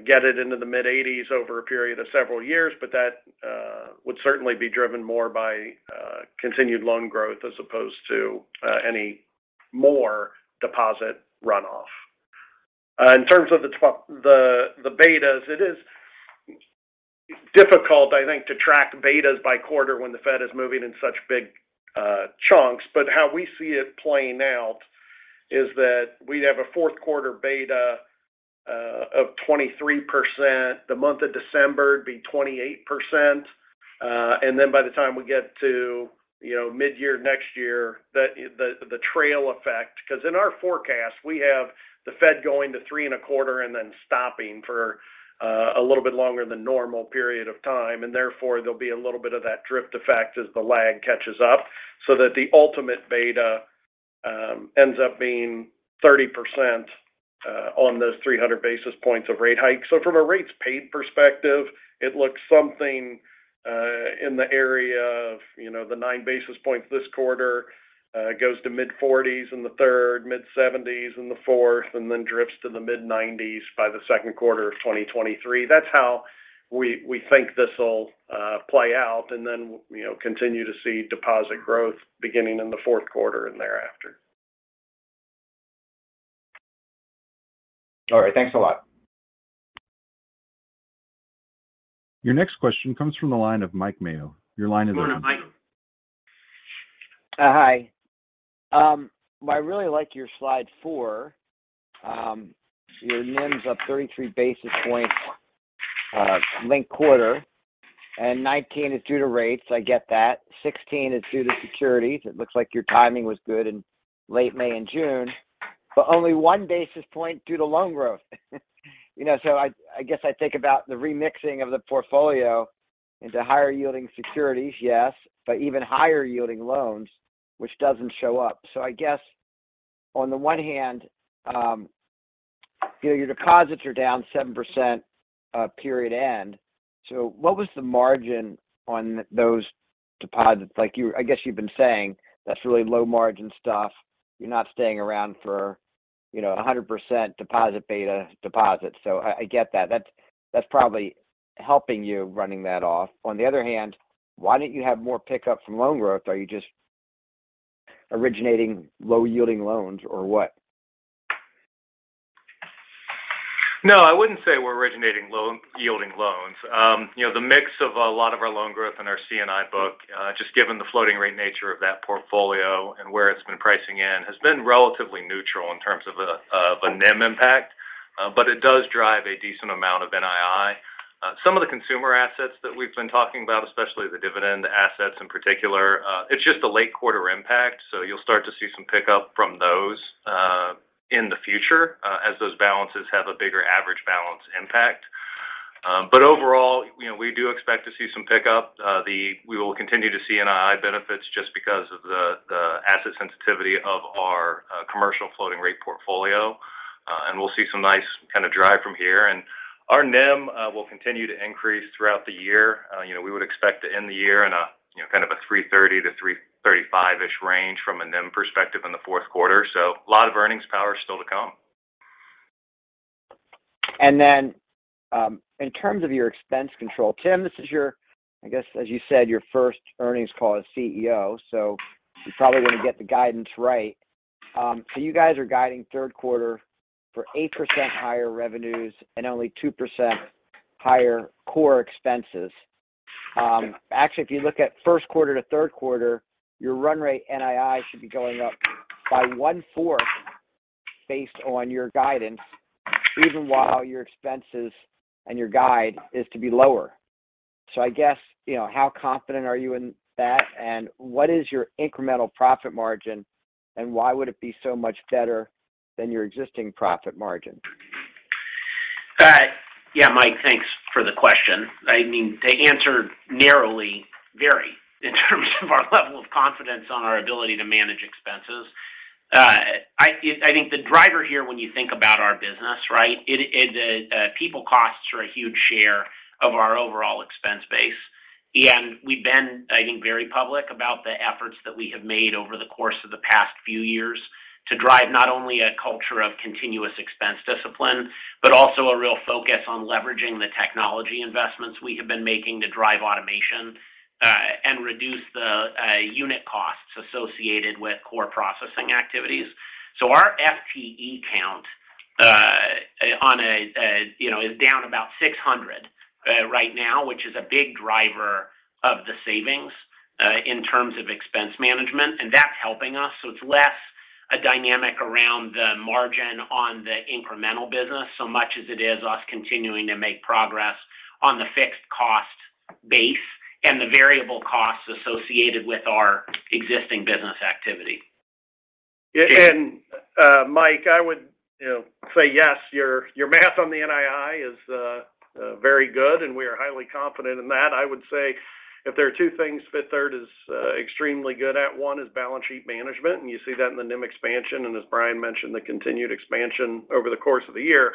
get it into the mid-80s over a period of several years, but that would certainly be driven more by continued loan growth as opposed to any more deposit runoff. In terms of the betas, it is difficult, I think, to track betas by quarter when the Fed is moving in such big chunks. How we see it playing out is that we'd have a fourth quarter beta of 23%. The month of December, it'd be 28%. Then by the time we get to, you know, midyear next year, the tail effect. Because in our forecast we have the Fed going to 3.25% and then stopping for a little bit longer than normal period of time. Therefore, there'll be a little bit of that drift effect as the lag catches up so that the ultimate beta ends up being 30% on those 300 basis points of rate hikes. From a rates paid perspective, it looks something in the area of, you know, the 9 basis points this quarter, goes to mid-40s in the third, mid-70s in the fourth, and then drifts to the mid-90s by the second quarter of 2023. That's how we think this will play out and then, you know, continue to see deposit growth beginning in the fourth quarter and thereafter. All right. Thanks a lot. Your next question comes from the line of Mike Mayo. Your line is open. Hi. I really like your slide 4. Your NIM's up 33 basis points, linked quarter, and 19 is due to rates. I get that. 16 is due to securities. It looks like your timing was good in late May and June. Only 1 basis point due to loan growth. You know, I guess I think about the remixing of the portfolio into higher yielding securities, yes, but even higher yielding loans, which doesn't show up. I guess on the one hand, you know, your deposits are down 7%, period end. What was the margin on those deposits? Like, I guess you've been saying that's really low margin stuff. You're not staying around for, you know, 100% deposit beta deposits. I get that. That's probably helping you running that off. On the other hand, why don't you have more pickup from loan growth? Are you just originating low yielding loans or what? No, I wouldn't say we're originating low yielding loans. You know, the mix of a lot of our loan growth in our C&I book, just given the floating rate nature of that portfolio and where it's been pricing in, has been relatively neutral in terms of a NIM impact. But it does drive a decent amount of NII. Some of the consumer assets that we've been talking about, especially the Dividend Finance assets in particular, it's just a late quarter impact. So you'll start to see some pickup from those, in the future, as those balances have a bigger average balance impact. But overall, you know, we do expect to see some pickup. We will continue to see NII benefits just because of the asset sensitivity of our commercial floating rate portfolio. We'll see some nice kind of drive from here. Our NIM will continue to increase throughout the year. You know, we would expect to end the year in a, you know, kind of a 3.30%-3.35%-ish range from a NIM perspective in the fourth quarter. A lot of earnings power still to come. In terms of your expense control, Tim, this is your, I guess, as you said, your first earnings call as CEO, so you probably want to get the guidance right. You guys are guiding third quarter for 8% higher revenues and only 2% higher core expenses. Actually, if you look at first quarter to third quarter, your run rate NII should be going up by one-fourth based on your guidance, even while your expenses and your guide is to be lower. I guess, you know, how confident are you in that? And what is your incremental profit margin, and why would it be so much better than your existing profit margin? Yeah, Mike, thanks for the question. I mean, to answer narrowly, very, in terms of our level of confidence on our ability to manage expenses. I think the driver here when you think about our business, right, people costs are a huge share of our overall expense base. We've been, I think, very public about the efforts that we have made over the course of the past few years to drive not only a culture of continuous expense discipline, but also a real focus on leveraging the technology investments we have been making to drive automation, and reduce the unit costs associated with core processing activities. Our FTE count, on a, you know, is down about 600, right now, which is a big driver of the savings, in terms of expense management, and that's helping us. It's less a dynamic around the margin on the incremental business, so much as it is us continuing to make progress on the fixed cost base and the variable costs associated with our existing business activity. Mike, I would, you know, say yes, your math on the NII is very good, and we are highly confident in that. I would say if there are two things Fifth Third is extremely good at, one is balance sheet management, and you see that in the NIM expansion, and as Bryan mentioned, the continued expansion over the course of the year.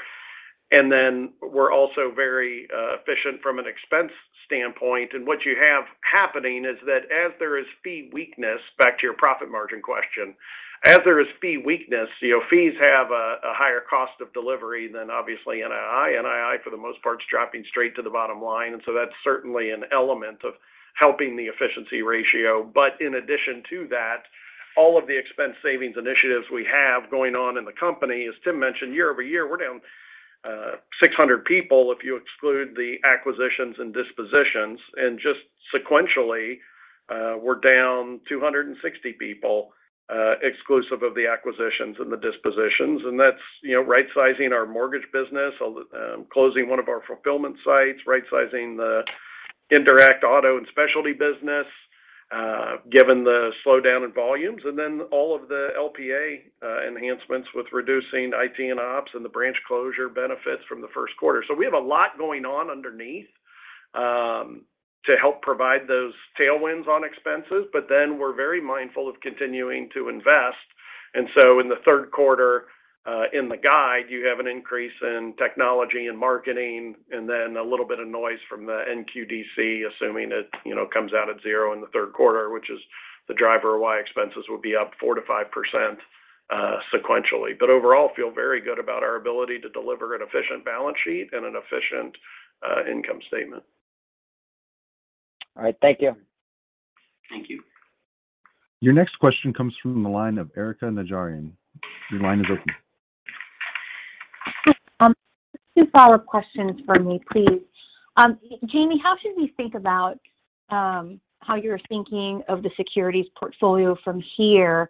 We're also very efficient from an expense standpoint. What you have happening is that as there is fee weakness, back to your profit margin question, as there is fee weakness, you know, fees have a higher cost of delivery than obviously NII. NII for the most part is dropping straight to the bottom line. That's certainly an element of helping the efficiency ratio. In addition to that, all of the expense savings initiatives we have going on in the company, as Tim mentioned, year-over-year, we're down 600 people if you exclude the acquisitions and dispositions. Just sequentially, we're down 260 people, exclusive of the acquisitions and the dispositions. That's, you know, rightsizing our mortgage business, closing one of our fulfillment sites, rightsizing the indirect auto and specialty business, given the slowdown in volumes. Then all of the RPA enhancements with reducing IT and ops and the branch closure benefits from the first quarter. We have a lot going on underneath, to help provide those tailwinds on expenses. Then we're very mindful of continuing to invest. In the third quarter, in the guide, you have an increase in technology and marketing, and then a little bit of noise from the NQDC, assuming it comes out at 0 in the third quarter, which is the driver of why expenses will be up 4%-5% sequentially. Overall, feel very good about our ability to deliver an efficient balance sheet and an efficient income statement. All right. Thank you. Thank you. Your next question comes from the line of Erika Najarian. Your line is open. Hi. Just two follow-up questions for me, please. Jamie, how should we think about how you're thinking of the securities portfolio from here?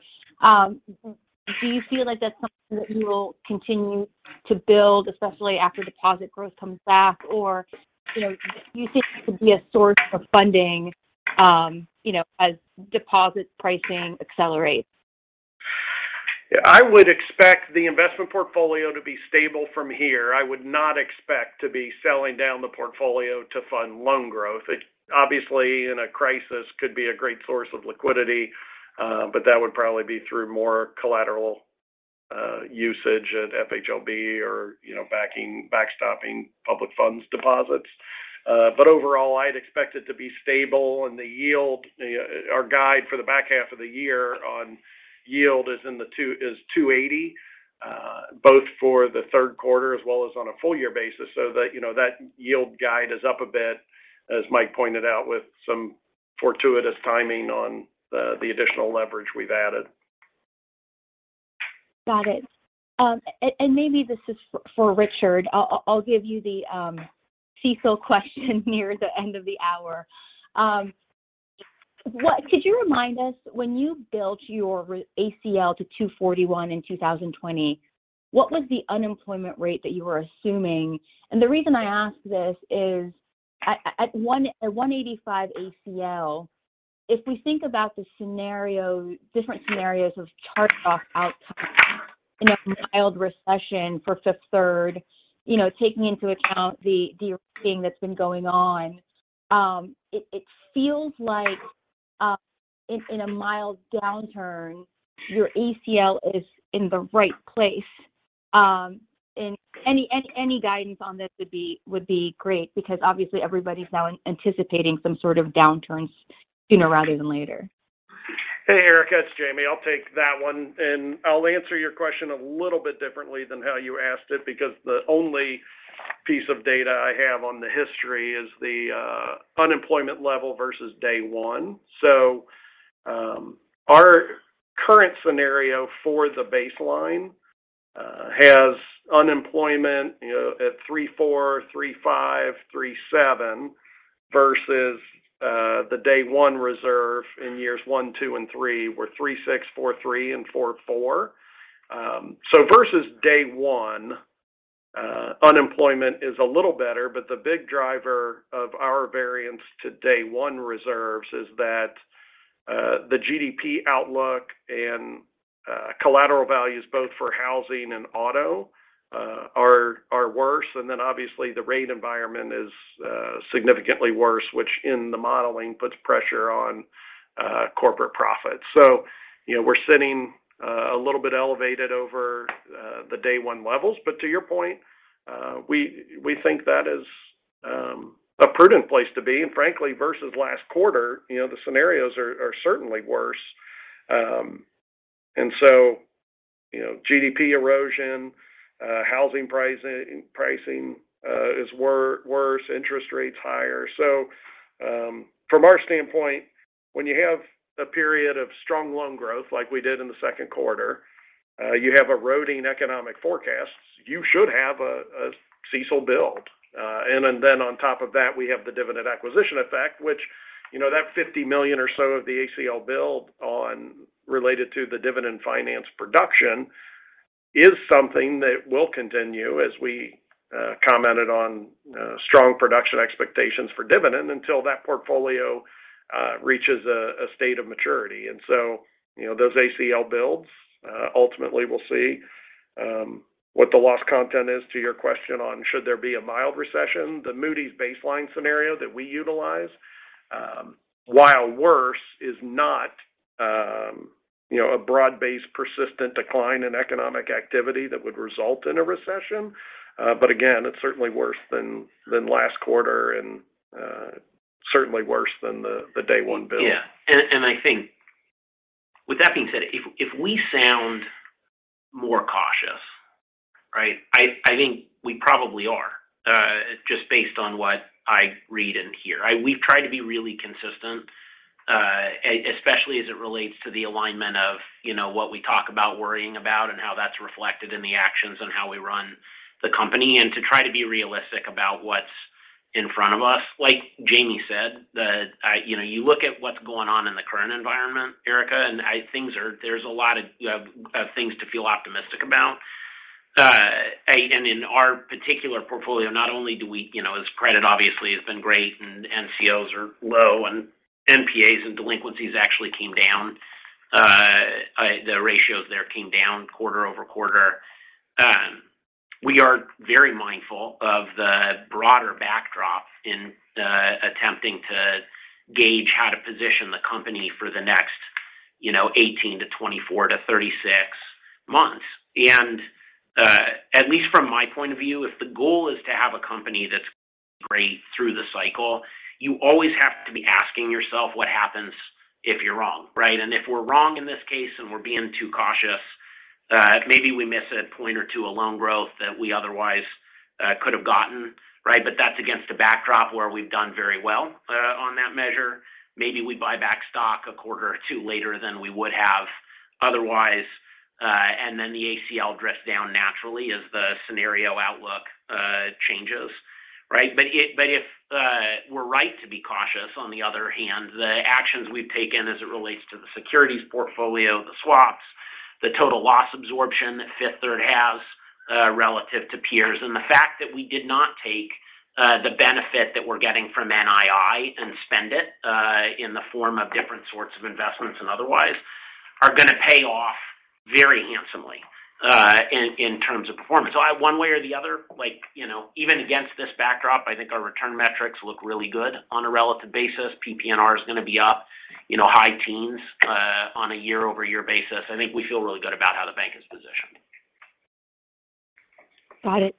Do you feel like that's something that you will continue to build, especially after deposit growth comes back? Or, you know, do you think this could be a source of funding, you know, as deposit pricing accelerates? Yeah. I would expect the investment portfolio to be stable from here. I would not expect to be selling down the portfolio to fund loan growth. It obviously, in a crisis, could be a great source of liquidity, but that would probably be through more collateral usage at FHLB or, you know, backstopping public funds deposits. But overall, I'd expect it to be stable, and the yield, you know, our guide for the back half of the year on yield is 2.80%, both for the third quarter as well as on a full year basis so that, you know, that yield guide is up a bit, as Mike pointed out, with some fortuitous timing on the additional leverage we've added. Got it. Maybe this is for Richard. I'll give you the CECL question near the end of the hour. Could you remind us when you built your ACL to $241 in 2020, what was the unemployment rate that you were assuming? The reason I ask this is at $185 ACL, if we think about the different scenarios of charge-off outcomes in a mild recession for Fifth Third, you know, taking into account the thing that's been going on, it feels like in a mild downturn, your ACL is in the right place. Any guidance on this would be great because obviously everybody's now anticipating some sort of downturn sooner rather than later. Hey, Erika, it's Jamie. I'll take that one. I'll answer your question a little bit differently than how you asked it because the only piece of data I have on the history is the unemployment level versus day one. Our current scenario for the baseline has unemployment, you know, at 3.4%, 3.5%, 3.7% versus the day one reserve in years one, two, and three were 3.6%, 4.3%, and 4.4%. Versus day one, unemployment is a little better, but the big driver of our variance to day one reserves is that the GDP outlook and collateral values both for housing and auto are worse. Then obviously the rate environment is significantly worse, which in the modeling puts pressure on corporate profits. You know, we're sitting a little bit elevated over the day one levels. To your point, we think that is a prudent place to be. Frankly, versus last quarter, you know, the scenarios are certainly worse. You know, GDP erosion, housing prices, is worse, interest rates higher. From our standpoint, when you have a period of strong loan growth like we did in the second quarter, you have eroding economic forecasts, you should have a CECL build. On top of that, we have the Dividend Finance acquisition effect, which, you know, that $50 million or so of the ACL build related to the Dividend Finance production is something that will continue as we commented on strong production expectations for Dividend Finance until that portfolio reaches a state of maturity. You know, those ACL builds ultimately we'll see what the loss content is to your question on should there be a mild recession. The Moody's baseline scenario that we utilize while worse is not a broad-based persistent decline in economic activity that would result in a recession. Again, it's certainly worse than last quarter and certainly worse than the day one build. Yeah. I think with that being said, if we sound more cautious, right? I think we probably are, just based on what I read and hear. We've tried to be really consistent, especially as it relates to the alignment of, you know, what we talk about worrying about and how that's reflected in the actions and how we run the company, and to try to be realistic about what's in front of us. Like Jamie said, you know, you look at what's going on in the current environment, Erika, and there's a lot of things to feel optimistic about. In our particular portfolio, not only do we, you know, as credit obviously has been great and NCOs are low and NPAs and delinquencies actually came down, the ratios there came down quarter-over-quarter. We are very mindful of the broader backdrop in attempting to gauge how to position the company for the next, you know, 18 to 24 to 36 months. At least from my point of view, if the goal is to have a company that's great through the cycle, you always have to be asking yourself what happens if you're wrong, right? If we're wrong in this case and we're being too cautious, maybe we miss a point or two of loan growth that we otherwise could have gotten, right? That's against a backdrop where we've done very well on that measure. Maybe we buy back stock a quarter or two later than we would have otherwise, and then the ACL drifts down naturally as the scenario outlook changes, right? But if we're right to be cautious, on the other hand, the actions we've taken as it relates to the securities portfolio, the swaps, the total loss absorption that Fifth Third has relative to peers, and the fact that we did not take the benefit that we're getting from NII and spend it in the form of different sorts of investments and otherwise are gonna pay off very handsomely in terms of performance. One way or the other, like, you know, even against this backdrop, I think our return metrics look really good on a relative basis. PPNR is gonna be up, you know, high teens on a year-over-year basis. I think we feel really good about how the bank is positioned. Got it.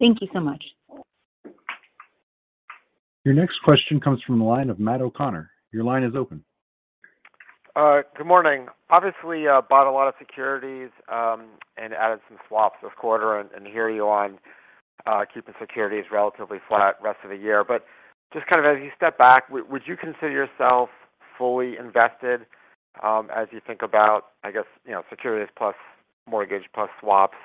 Thank you so much. Your next question comes from the line of Matt O'Connor. Your line is open. Good morning. Obviously, bought a lot of securities, and added some swaps this quarter and hear you on keeping securities relatively flat rest of the year. Just kind of as you step back, would you consider yourself fully invested, as you think about, I guess, you know, securities plus mortgage plus swaps,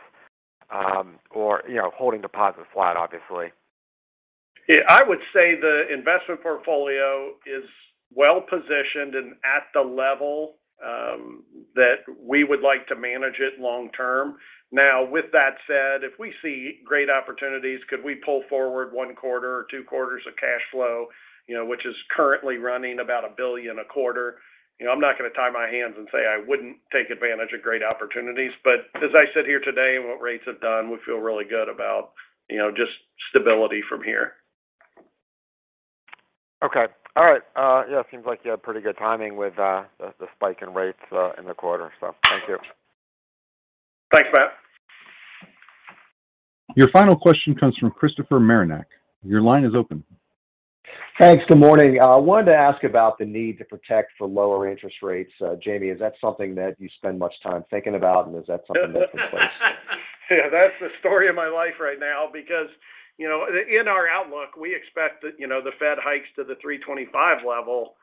or you know, holding deposits flat, obviously? Yeah, I would say the investment portfolio is well-positioned and at the level that we would like to manage it long term. Now, with that said, if we see great opportunities, could we pull forward one quarter or two quarters of cash flow, you know, which is currently running about $1 billion a quarter? You know, I'm not gonna tie my hands and say I wouldn't take advantage of great opportunities. But as I sit here today and what rates have done, we feel really good about, you know, just stability from here. Okay. All right. Yeah, seems like you had pretty good timing with the spike in rates in the quarter. Thank you. Thanks, Matt. Your final question comes from Christopher Marinac. Your line is open. Thanks. Good morning. Wanted to ask about the need to protect for lower interest rates. Jamie, is that something that you spend much time thinking about, and is that something that's in place? Yeah, that's the story of my life right now because, you know, in our outlook, we expect that, you know, the Fed hikes to the 3.25% level.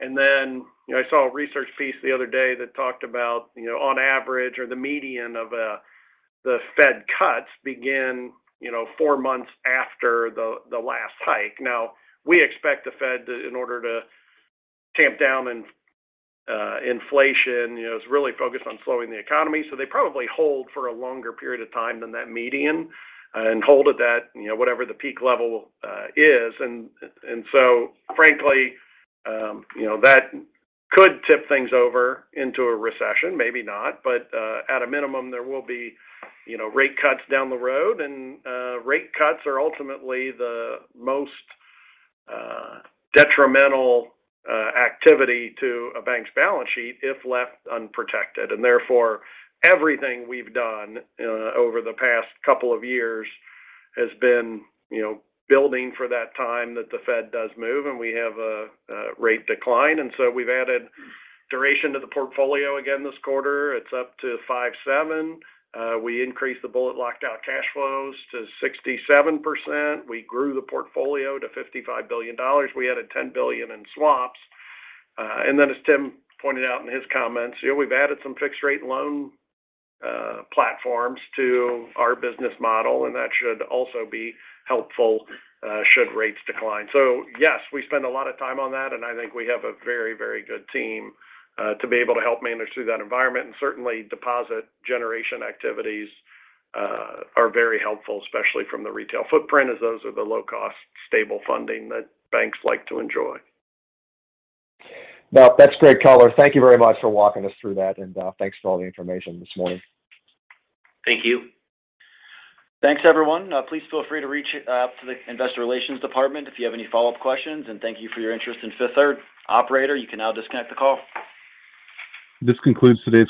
Then, you know, I saw a research piece the other day that talked about, you know, on average or the median of, the Fed cuts begin, you know, four months after the last hike. Now we expect the Fed to, in order to tamp down inflation, you know, is really focused on slowing the economy, so they probably hold for a longer period of time than that median and hold at that, you know, whatever the peak level is. So frankly, you know, that could tip things over into a recession, maybe not. At a minimum, there will be, you know, rate cuts down the road. Rate cuts are ultimately the most detrimental activity to a bank's balance sheet if left unprotected. Therefore, everything we've done over the past couple of years has been, you know, building for that time that the Fed does move, and we have a rate decline. We've added duration to the portfolio again this quarter. It's up to 5.7. We increased the bullet locked out cash flows to 67%. We grew the portfolio to $55 billion. We added $10 billion in swaps. Then as Tim pointed out in his comments, you know, we've added some fixed rate loan platforms to our business model, and that should also be helpful should rates decline. Yes, we spend a lot of time on that, and I think we have a very, very good team, to be able to help manage through that environment. Certainly deposit generation activities are very helpful, especially from the retail footprint, as those are the low-cost stable funding that banks like to enjoy. Well, that's great color. Thank you very much for walking us through that. Thanks for all the information this morning. Thank you. Thanks, everyone. Please feel free to reach out to the investor relations department if you have any follow-up questions. Thank you for your interest in Fifth Third. Operator, you can now disconnect the call. This concludes today's conference call.